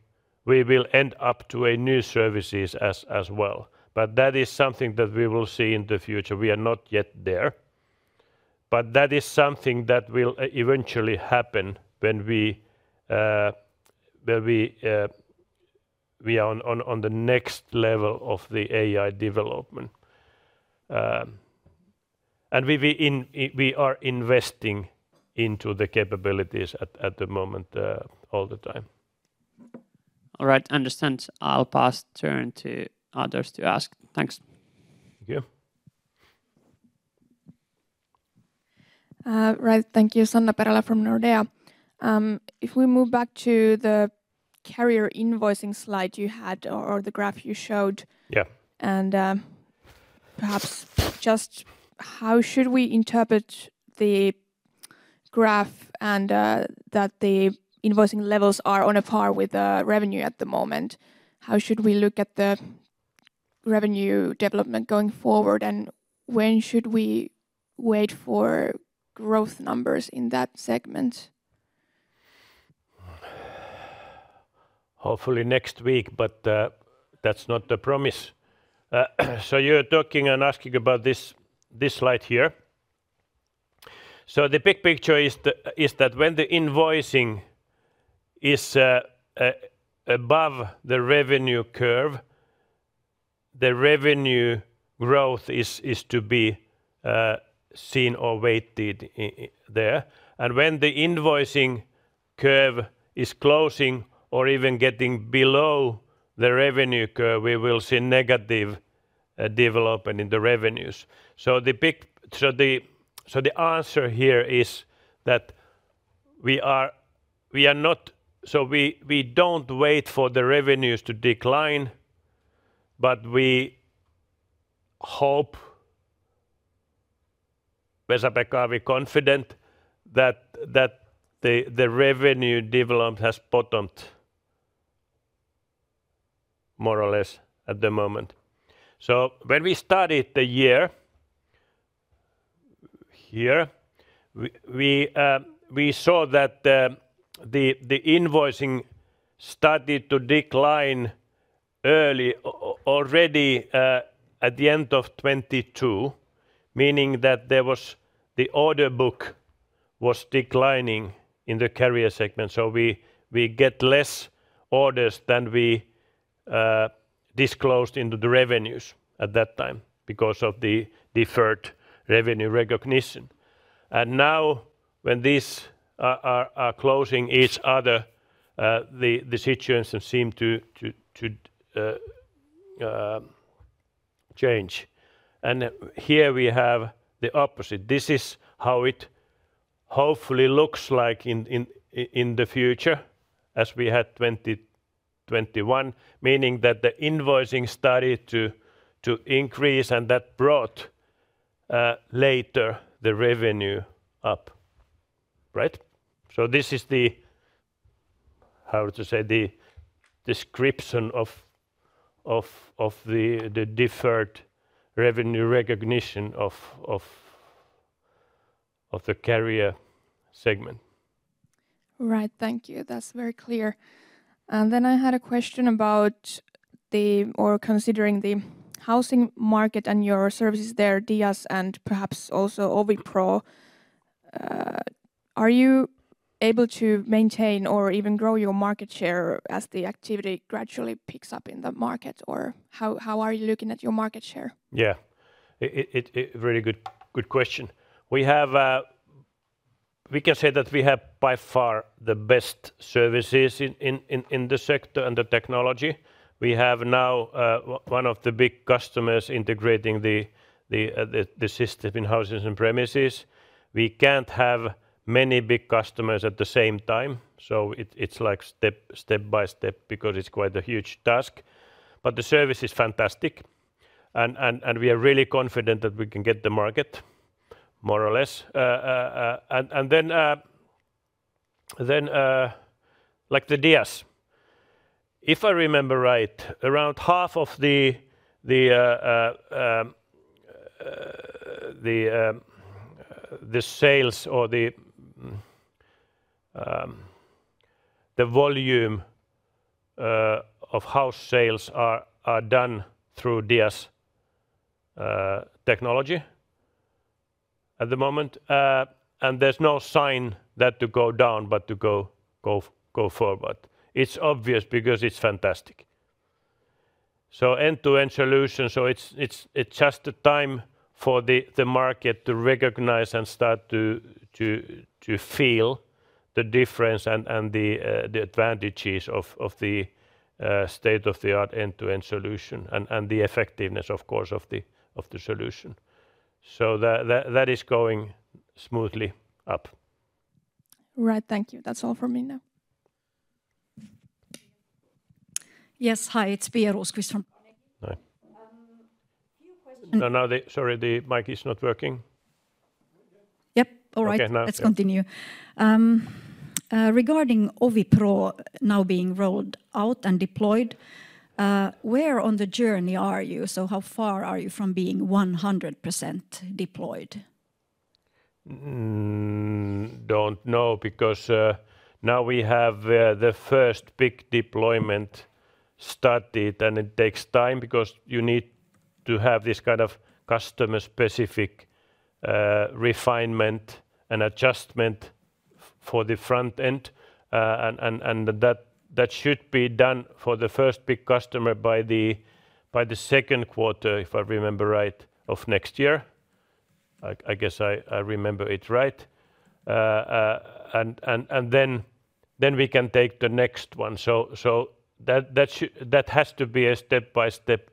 we will end up to a new services as well. But that is something that we will see in the future. We are not yet there. But that is something that will eventually happen when we are on the next level of the AI development. And we are investing into the capabilities at the moment all the time. All right. Understand. I'll pass turn to others to ask. Thanks. Thank you. Right. Thank you. Sanna Perälä from Nordea. If we move back to the career invoicing slide you had or the graph you showed- Yeah... and perhaps just how should we interpret the graph and that the invoicing levels are on a par with revenue at the moment? How should we look at the revenue development going forward, and when should we wait for growth numbers in that segment? Hopefully next week, but that's not a promise. So you're talking and asking about this, this slide here. So the big picture is that when the invoicing is above the revenue curve, the revenue growth is to be seen or weighted there. And when the invoicing curve is closing or even getting below the revenue curve, we will see negative development in the revenues. So the answer here is that we are not. So we don't wait for the revenues to decline, but we hope, Vesa-Pekka, are we confident that the revenue development has bottomed more or less at the moment? When we started the year here, we saw that the invoicing started to decline early, already, at the end of 2022, meaning that the order book was declining in the Career segment. We get less orders than we disclosed into the revenues at that time because of the deferred revenue recognition. Now, when these are closing each other, the situations seem to change. Here we have the opposite. This is how it hopefully looks like in the future, as we had 2021, meaning that the invoicing started to increase, and that brought later the revenue up, right? This is the, how to say, the description of the deferred revenue recognition of the Career segment. Right. Thank you. That's very clear. And then I had a question about the... or considering the housing market and your services there, DIAS, and perhaps also OviPro. Are you able to maintain or even grow your market share as the activity gradually picks up in the market? Or how, how are you looking at your market share? Yeah. It's a very good question. We can say that we have by far the best services in the sector and the technology. We have now one of the big customers integrating the system in houses and premises. We can't have many big customers at the same time, so it's like step by step because it's quite a huge task. But the service is fantastic, and we are really confident that we can get the market more or less, and then, like the DIAS, if I remember right, around half of the sales or the volume of house sales are done through DIAS technology at the moment. And there's no sign that to go down, but to go forward. It's obvious because it's fantastic. So end-to-end solution, so it's just the time for the market to recognize and start to feel the difference and the advantages of the state-of-the-art end-to-end solution, and the effectiveness, of course, of the solution. So that is going smoothly up. Right. Thank you. That's all for me now. Yes, hi, it's Pia Rosqvist from- Hi. Few questions- Sorry, the mic is not working. Yep. All right. Okay, now, yeah. Let's continue. Regarding OviPro now being rolled out and deployed, where on the journey are you? So how far are you from being 100% deployed? Don't know because now we have the first big deployment started, and it takes time because you need to have this kind of customer-specific refinement and adjustment for the front end. And that should be done for the first big customer by the second quarter, if I remember right, of next year. I guess I remember it right. And then we can take the next one. So that has to be a step-by-step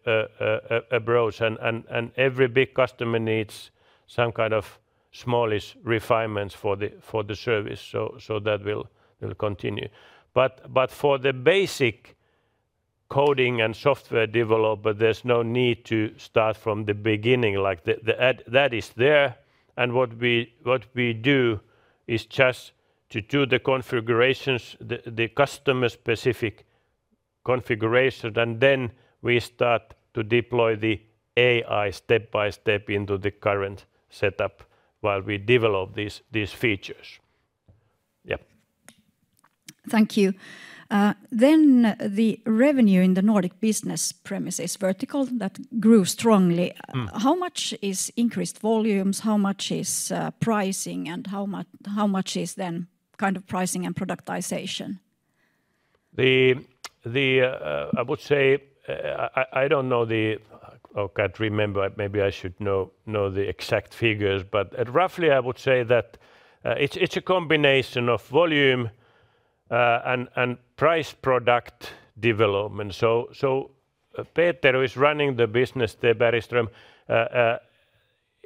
approach. And every big customer needs some kind of smallish refinements for the service, so that will continue. But for the basic coding and software development, there's no need to start from the beginning. Like, the that is there, and what we do is just to do the configurations, the customer-specific configuration, and then we start to deploy the AI step by step into the current setup while we develop these features. Yeah. Thank you. Then the revenue in the Nordic business premises vertical, that grew strongly- Mm. How much is increased volumes, how much is pricing, and how much is then kind of pricing and productization? I would say I don't know. Oh, can't remember. Maybe I should know the exact figures, but roughly I would say that it's a combination of volume and price product development. Peter Watz is running the business.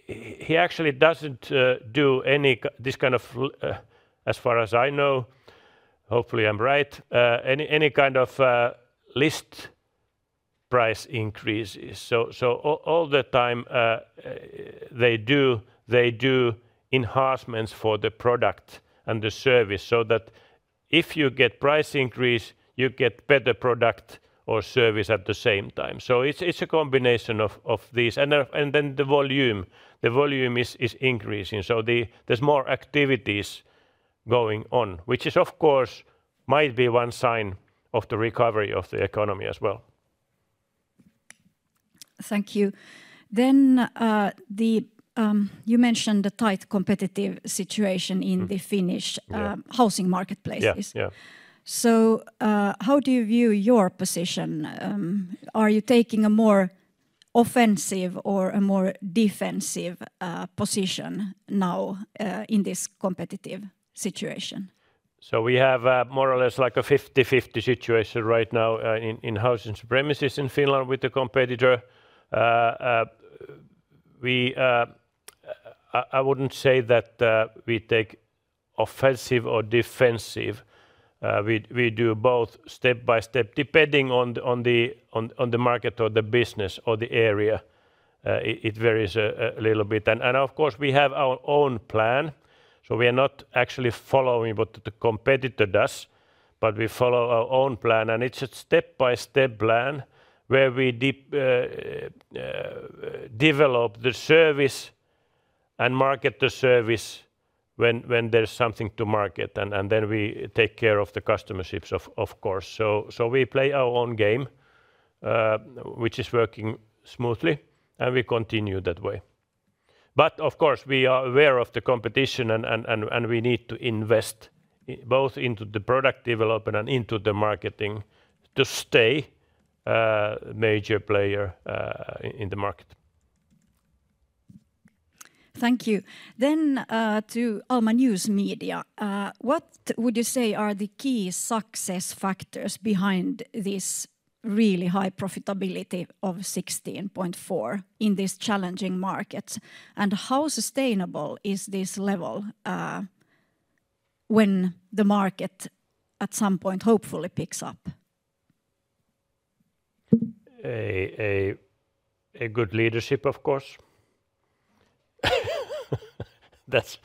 He actually doesn't do any kind of list price increases, as far as I know, hopefully I'm right. All the time they do enhancements for the product and the service, so that if you get price increase, you get better product or service at the same time. It's a combination of these. Then the volume is increasing, so there's more activities going on, which is, of course, might be one sign of the recovery of the economy as well.... Thank you. Then you mentioned the tight competitive situation. Mm. in the Finnish Yeah... housing marketplace. Yeah, yeah. How do you view your position? Are you taking a more offensive or a more defensive position now in this competitive situation? We have more or less like a 50-50 situation right now in housing services in Finland with the competitor. I wouldn't say that we take offensive or defensive. We do both step by step, depending on the market or the business or the area. It varies a little bit. And of course, we have our own plan, so we are not actually following what the competitor does, but we follow our own plan. It is a step-by-step plan where we develop the service and market the service when there's something to market, and then we take care of the customer relationships, of course. We play our own game, which is working smoothly, and we continue that way. Of course, we are aware of the competition and we need to invest both into the product development and into the marketing to stay a major player in the market. Thank you. Then, to Alma News Media. What would you say are the key success factors behind this really high profitability of 16.4% in this challenging market? And how sustainable is this level, when the market, at some point, hopefully picks up? A good leadership, of course. That's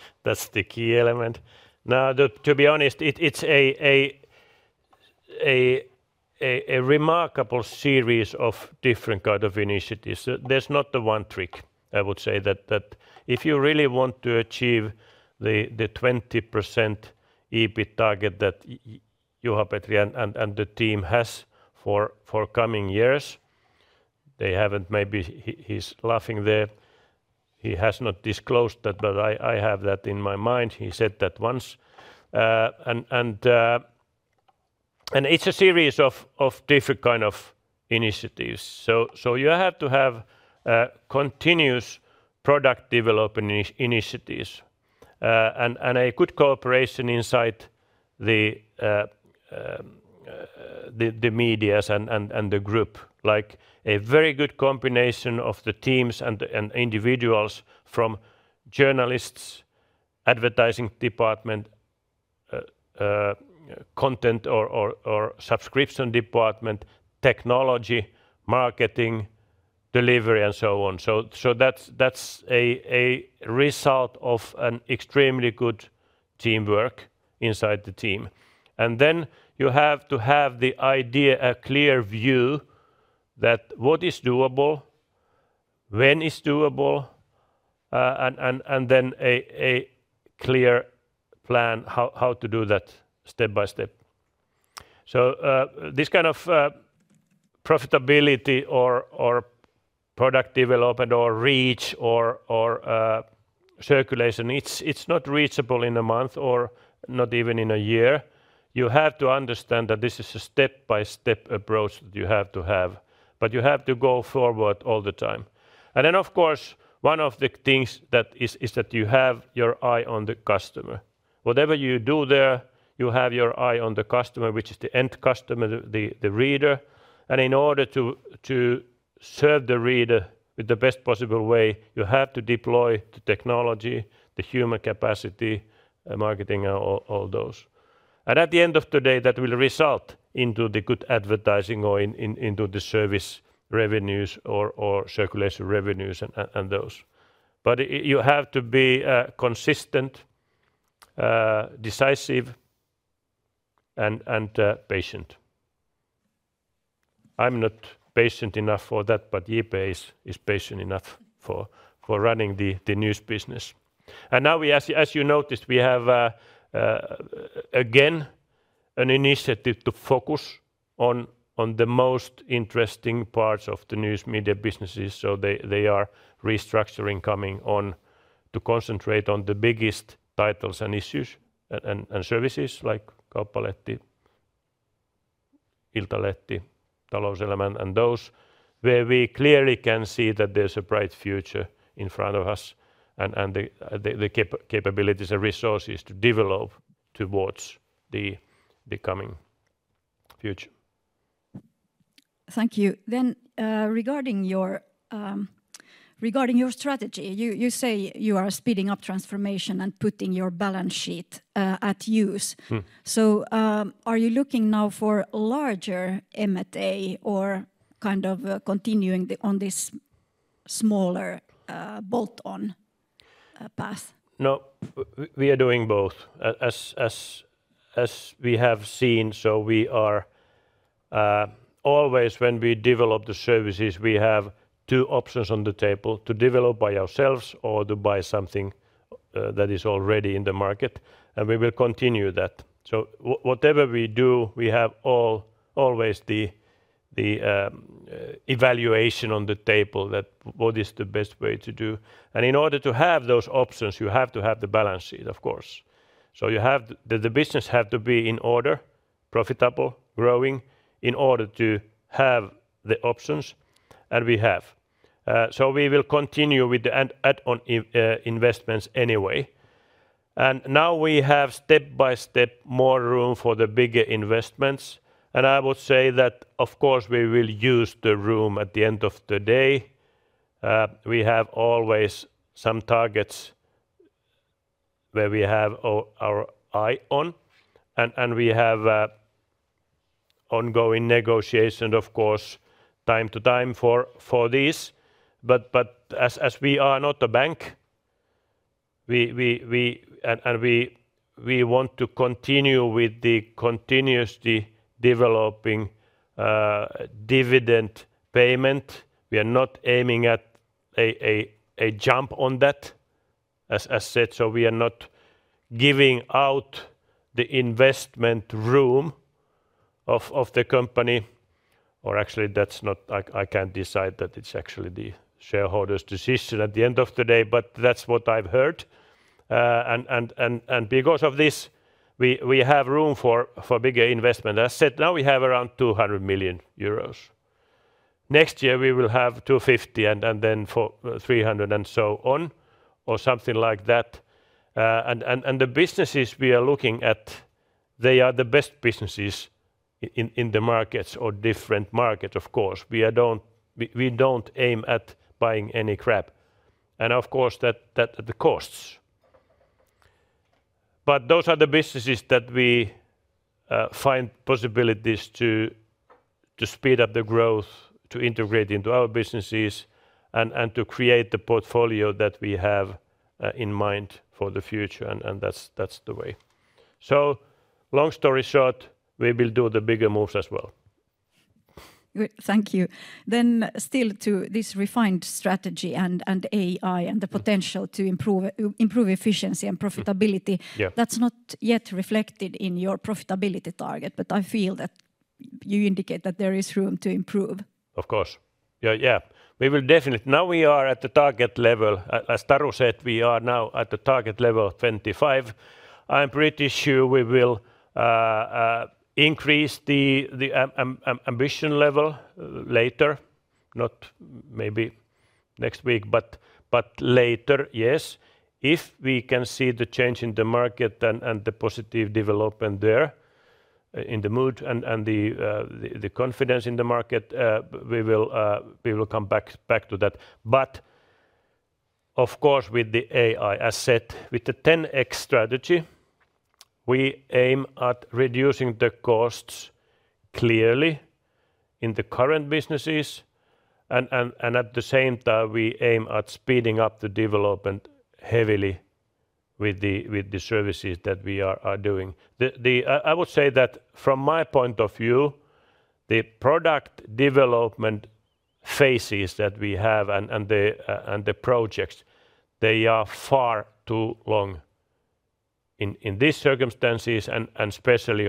the key element. Now, to be honest, it's a remarkable series of different kind of initiatives. There's not the one trick. I would say that if you really want to achieve the 20% EBIT target that Juha-Petri Loimovuori and the team has for coming years, they haven't maybe. He's laughing there. He has not disclosed that, but I have that in my mind. He said that once. And it's a series of different kind of initiatives. So you have to have continuous product development initiatives and a good cooperation inside the medias and the group. Like, a very good combination of the teams and individuals from journalists, advertising department, content or subscription department, technology, marketing, delivery, and so on. So, that's a result of an extremely good teamwork inside the team. And then you have to have the idea, a clear view, that what is doable, when it's doable, and then a clear plan how to do that step by step. So, this kind of profitability or product development or reach or circulation, it's not reachable in a month or not even in a year. You have to understand that this is a step-by-step approach that you have to have, but you have to go forward all the time. And then, of course, one of the things that is that you have your eye on the customer. Whatever you do there, you have your eye on the customer, which is the end customer, the reader. And in order to serve the reader with the best possible way, you have to deploy the technology, the human capacity, marketing, all those. And at the end of the day, that will result into the good advertising or into the service revenues or circulation revenues and those. But you have to be consistent, decisive, and patient. I'm not patient enough for that, but J-P is patient enough for running the news business. Now, as you noticed, we have again an initiative to focus on the most interesting parts of the news media businesses, so they are restructuring, coming on to concentrate on the biggest titles and issues and services like Kauppalehti, Iltalehti, Talouselämä, and those where we clearly can see that there's a bright future in front of us and the capabilities and resources to develop towards the coming future. Thank you. Then, regarding your strategy, you say you are speeding up transformation and putting your balance sheet at use. Mm. Are you looking now for larger M&A or kind of continuing on this smaller bolt-on path? No, we are doing both. As we have seen, so we are always when we develop the services, we have two options on the table: to develop by ourselves or to buy something that is already in the market, and we will continue that. Whatever we do, we have always the evaluation on the table that what is the best way to do? And in order to have those options, you have to have the balance sheet, of course. So the business have to be in order, profitable, growing, in order to have the options, and we have. So we will continue with the add-on investments anyway. And now we have step-by-step more room for the bigger investments, and I would say that, of course, we will use the room at the end of the day. We have always some targets where we have our eye on, and we have ongoing negotiation, of course, time to time for this. But as we are not a bank, we want to continue with the continuously developing dividend payment. We are not aiming at a jump on that, as said, so we are not giving out the investment room of the company. Or actually, that's not. I can't decide that. It's actually the shareholders' decision at the end of the day, but that's what I've heard. Because of this, we have room for bigger investment. As said, now we have around 200 million euros. Next year, we will have 250, and then for 300, and so on, or something like that. The businesses we are looking at, they are the best businesses in the markets or different market, of course. We don't aim at buying any crap, and of course, that the costs. But those are the businesses that we find possibilities to speed up the growth, to integrate into our businesses, and to create the portfolio that we have in mind for the future, and that's the way. So long story short, we will do the bigger moves as well. Good. Thank you. Then still to this refined strategy, and AI, and the potential to improve efficiency and profitability. Yeah.... that's not yet reflected in your profitability target, but I feel that you indicate that there is room to improve. Of course. Yeah, yeah. We will definitely. Now, we are at the target level. As Taru said, we are now at the target level of 25. I'm pretty sure we will increase the ambition level later, not maybe next week, but later, yes. If we can see the change in the market and the positive development there, in the mood and the confidence in the market, we will come back to that. But of course, with the AI asset, with the 10X strategy, we aim at reducing the costs clearly in the current businesses, and at the same time, we aim at speeding up the development heavily with the services that we are doing. The... I would say that from my point of view, the product development phases that we have and the projects, they are far too long in these circumstances and especially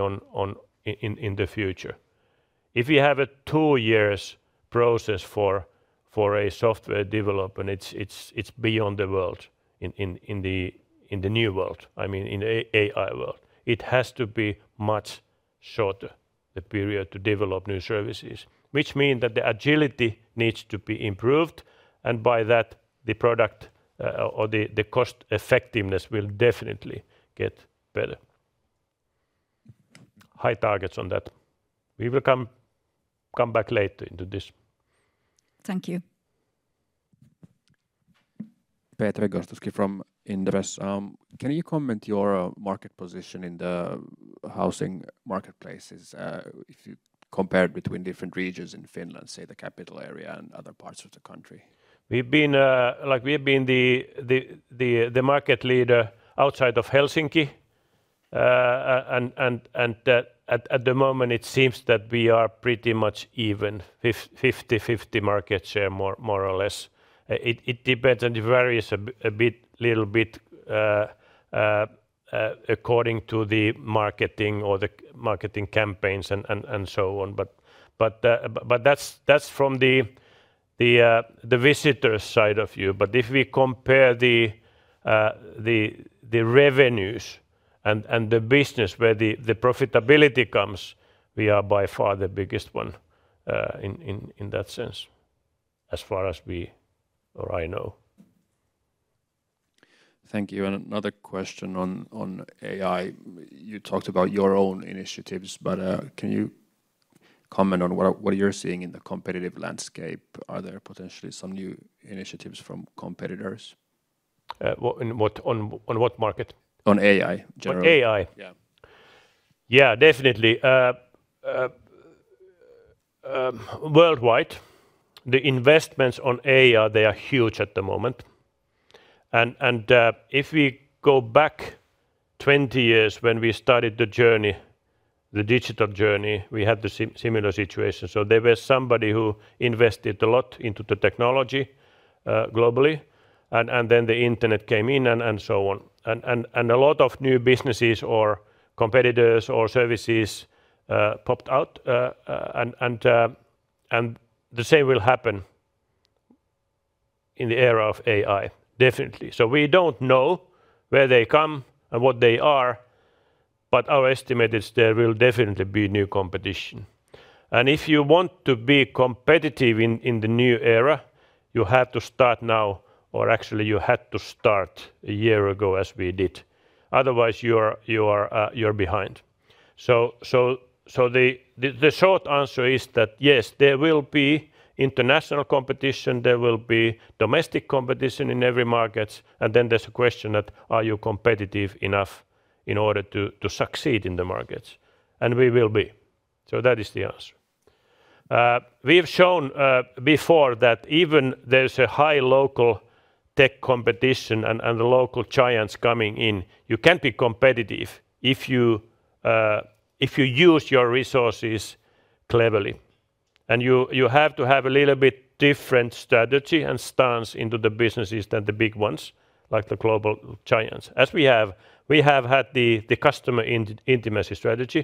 in the future. If you have a two years process for a software development, it's beyond the world, in the new world, I mean, in AI world. It has to be much shorter, the period to develop new services, which mean that the agility needs to be improved, and by that, the product or the cost effectiveness will definitely get better. High targets on that. We will come back later into this. Thank you. Petri Gostowski from Inderes. Can you comment your market position in the housing marketplaces, if you compare between different regions in Finland, say, the capital area and other parts of the country? We've been like we've been the market leader outside of Helsinki. And at the moment, it seems that we are pretty much even, 50/50 market share, more or less. It depends, and it varies a bit, a little bit, according to the marketing campaigns, and so on. But that's from the visitor side of view. But if we compare the revenues and the business where the profitability comes, we are by far the biggest one, in that sense, as far as we or I know. Thank you. And another question on AI. You talked about your own initiatives, but can you comment on what you're seeing in the competitive landscape? Are there potentially some new initiatives from competitors? Well, on what market? On AI, generally. On AI? Yeah. Yeah, definitely. Worldwide, the investments on AI they are huge at the moment, and if we go back 20 years when we started the journey, the digital journey, we had the similar situation. So there was somebody who invested a lot into the technology globally, and then the internet came in, and so on, and a lot of new businesses or competitors or services popped out, and the same will happen in the era of AI, definitely. So we don't know where they come and what they are, but our estimate is there will definitely be new competition, and if you want to be competitive in the new era, you have to start now, or actually you had to start a year ago, as we did. Otherwise, you are behind. So the short answer is that, yes, there will be international competition, there will be domestic competition in every markets, and then there's a question that, are you competitive enough in order to succeed in the markets? And we will be. So that is the answer. We have shown before that even there's a high local tech competition and the local giants coming in, you can be competitive if you use your resources cleverly. And you have to have a little bit different strategy and stance into the businesses than the big ones, like the global giants. As we have had the customer intimacy strategy,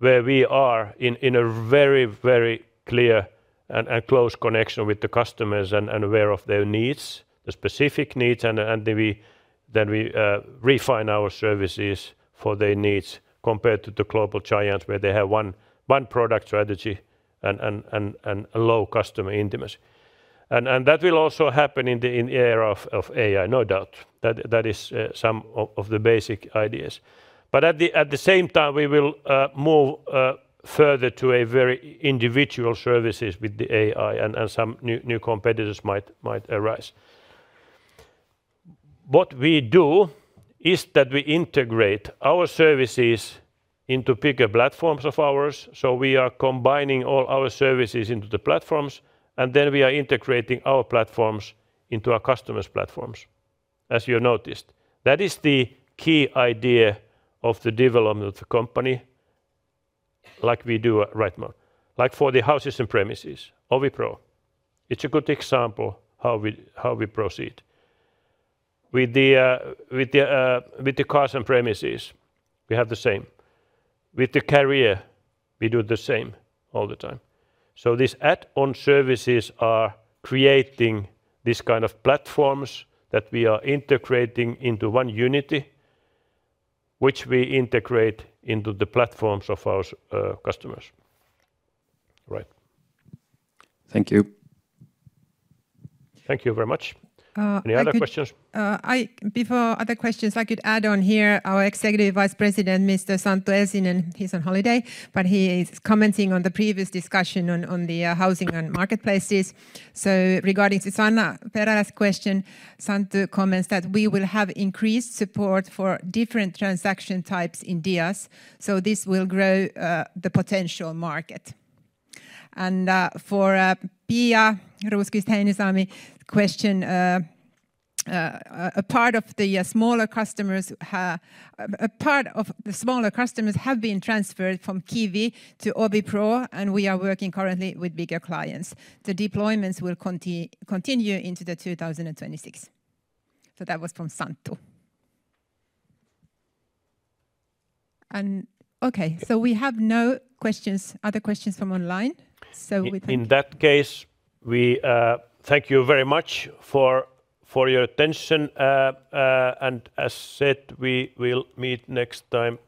where we are in a very clear and close connection with the customers and aware of their needs, the specific needs, and then we refine our services for their needs, compared to the global giants, where they have one product strategy and a low customer intimacy. That will also happen in the era of AI, no doubt. That is some of the basic ideas. But at the same time, we will move further to a very individual services with the AI, and some new competitors might arise. What we do is that we integrate our services into bigger platforms of ours, so we are combining all our services into the platforms, and then we are integrating our platforms into our customers' platforms, as you noticed. That is the key idea of the development of the company, like we do at right now. Like for the houses and premises, OviPro. It's a good example how we proceed. With the cars and premises, we have the same. With the Career, we do the same all the time. So these add-on services are creating this kind of platforms that we are integrating into one unity, which we integrate into the platforms of our customers. Right. Thank you. Thank you very much. I could- Any other questions? Before other questions, I could add on here, our executive vice president, Mr. Santtu Elsinen, he's on holiday, but he is commenting on the previous discussion on the housing and marketplaces. So regarding to Sanna Perälä's question, Santtu comments that we will have increased support for different transaction types in DIAS, so this will grow the potential market. And for Pia Rosqvist's question, a part of the smaller customers have been transferred from Kivi to OviPro, and we are working currently with bigger clients. The deployments will continue into the two thousand and twenty-six. So that was from Santtu. And okay, so we have no questions, other questions from online, so we- In that case, we thank you very much for your attention, and as said, we will meet next time,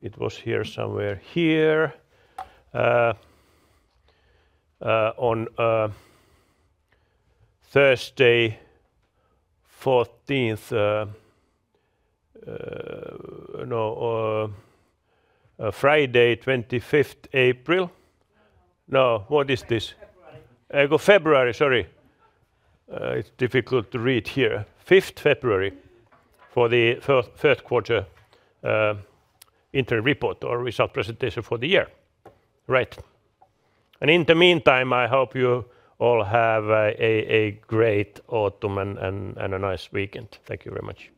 it was here somewhere here on Thursday, fourteenth, no, Friday, twenty-fifth, April. No, what is this? February. February, sorry. It's difficult to read here. Fifth February for the third quarter interim report or result presentation for the year. Right. In the meantime, I hope you all have a great autumn and a nice weekend. Thank you very much.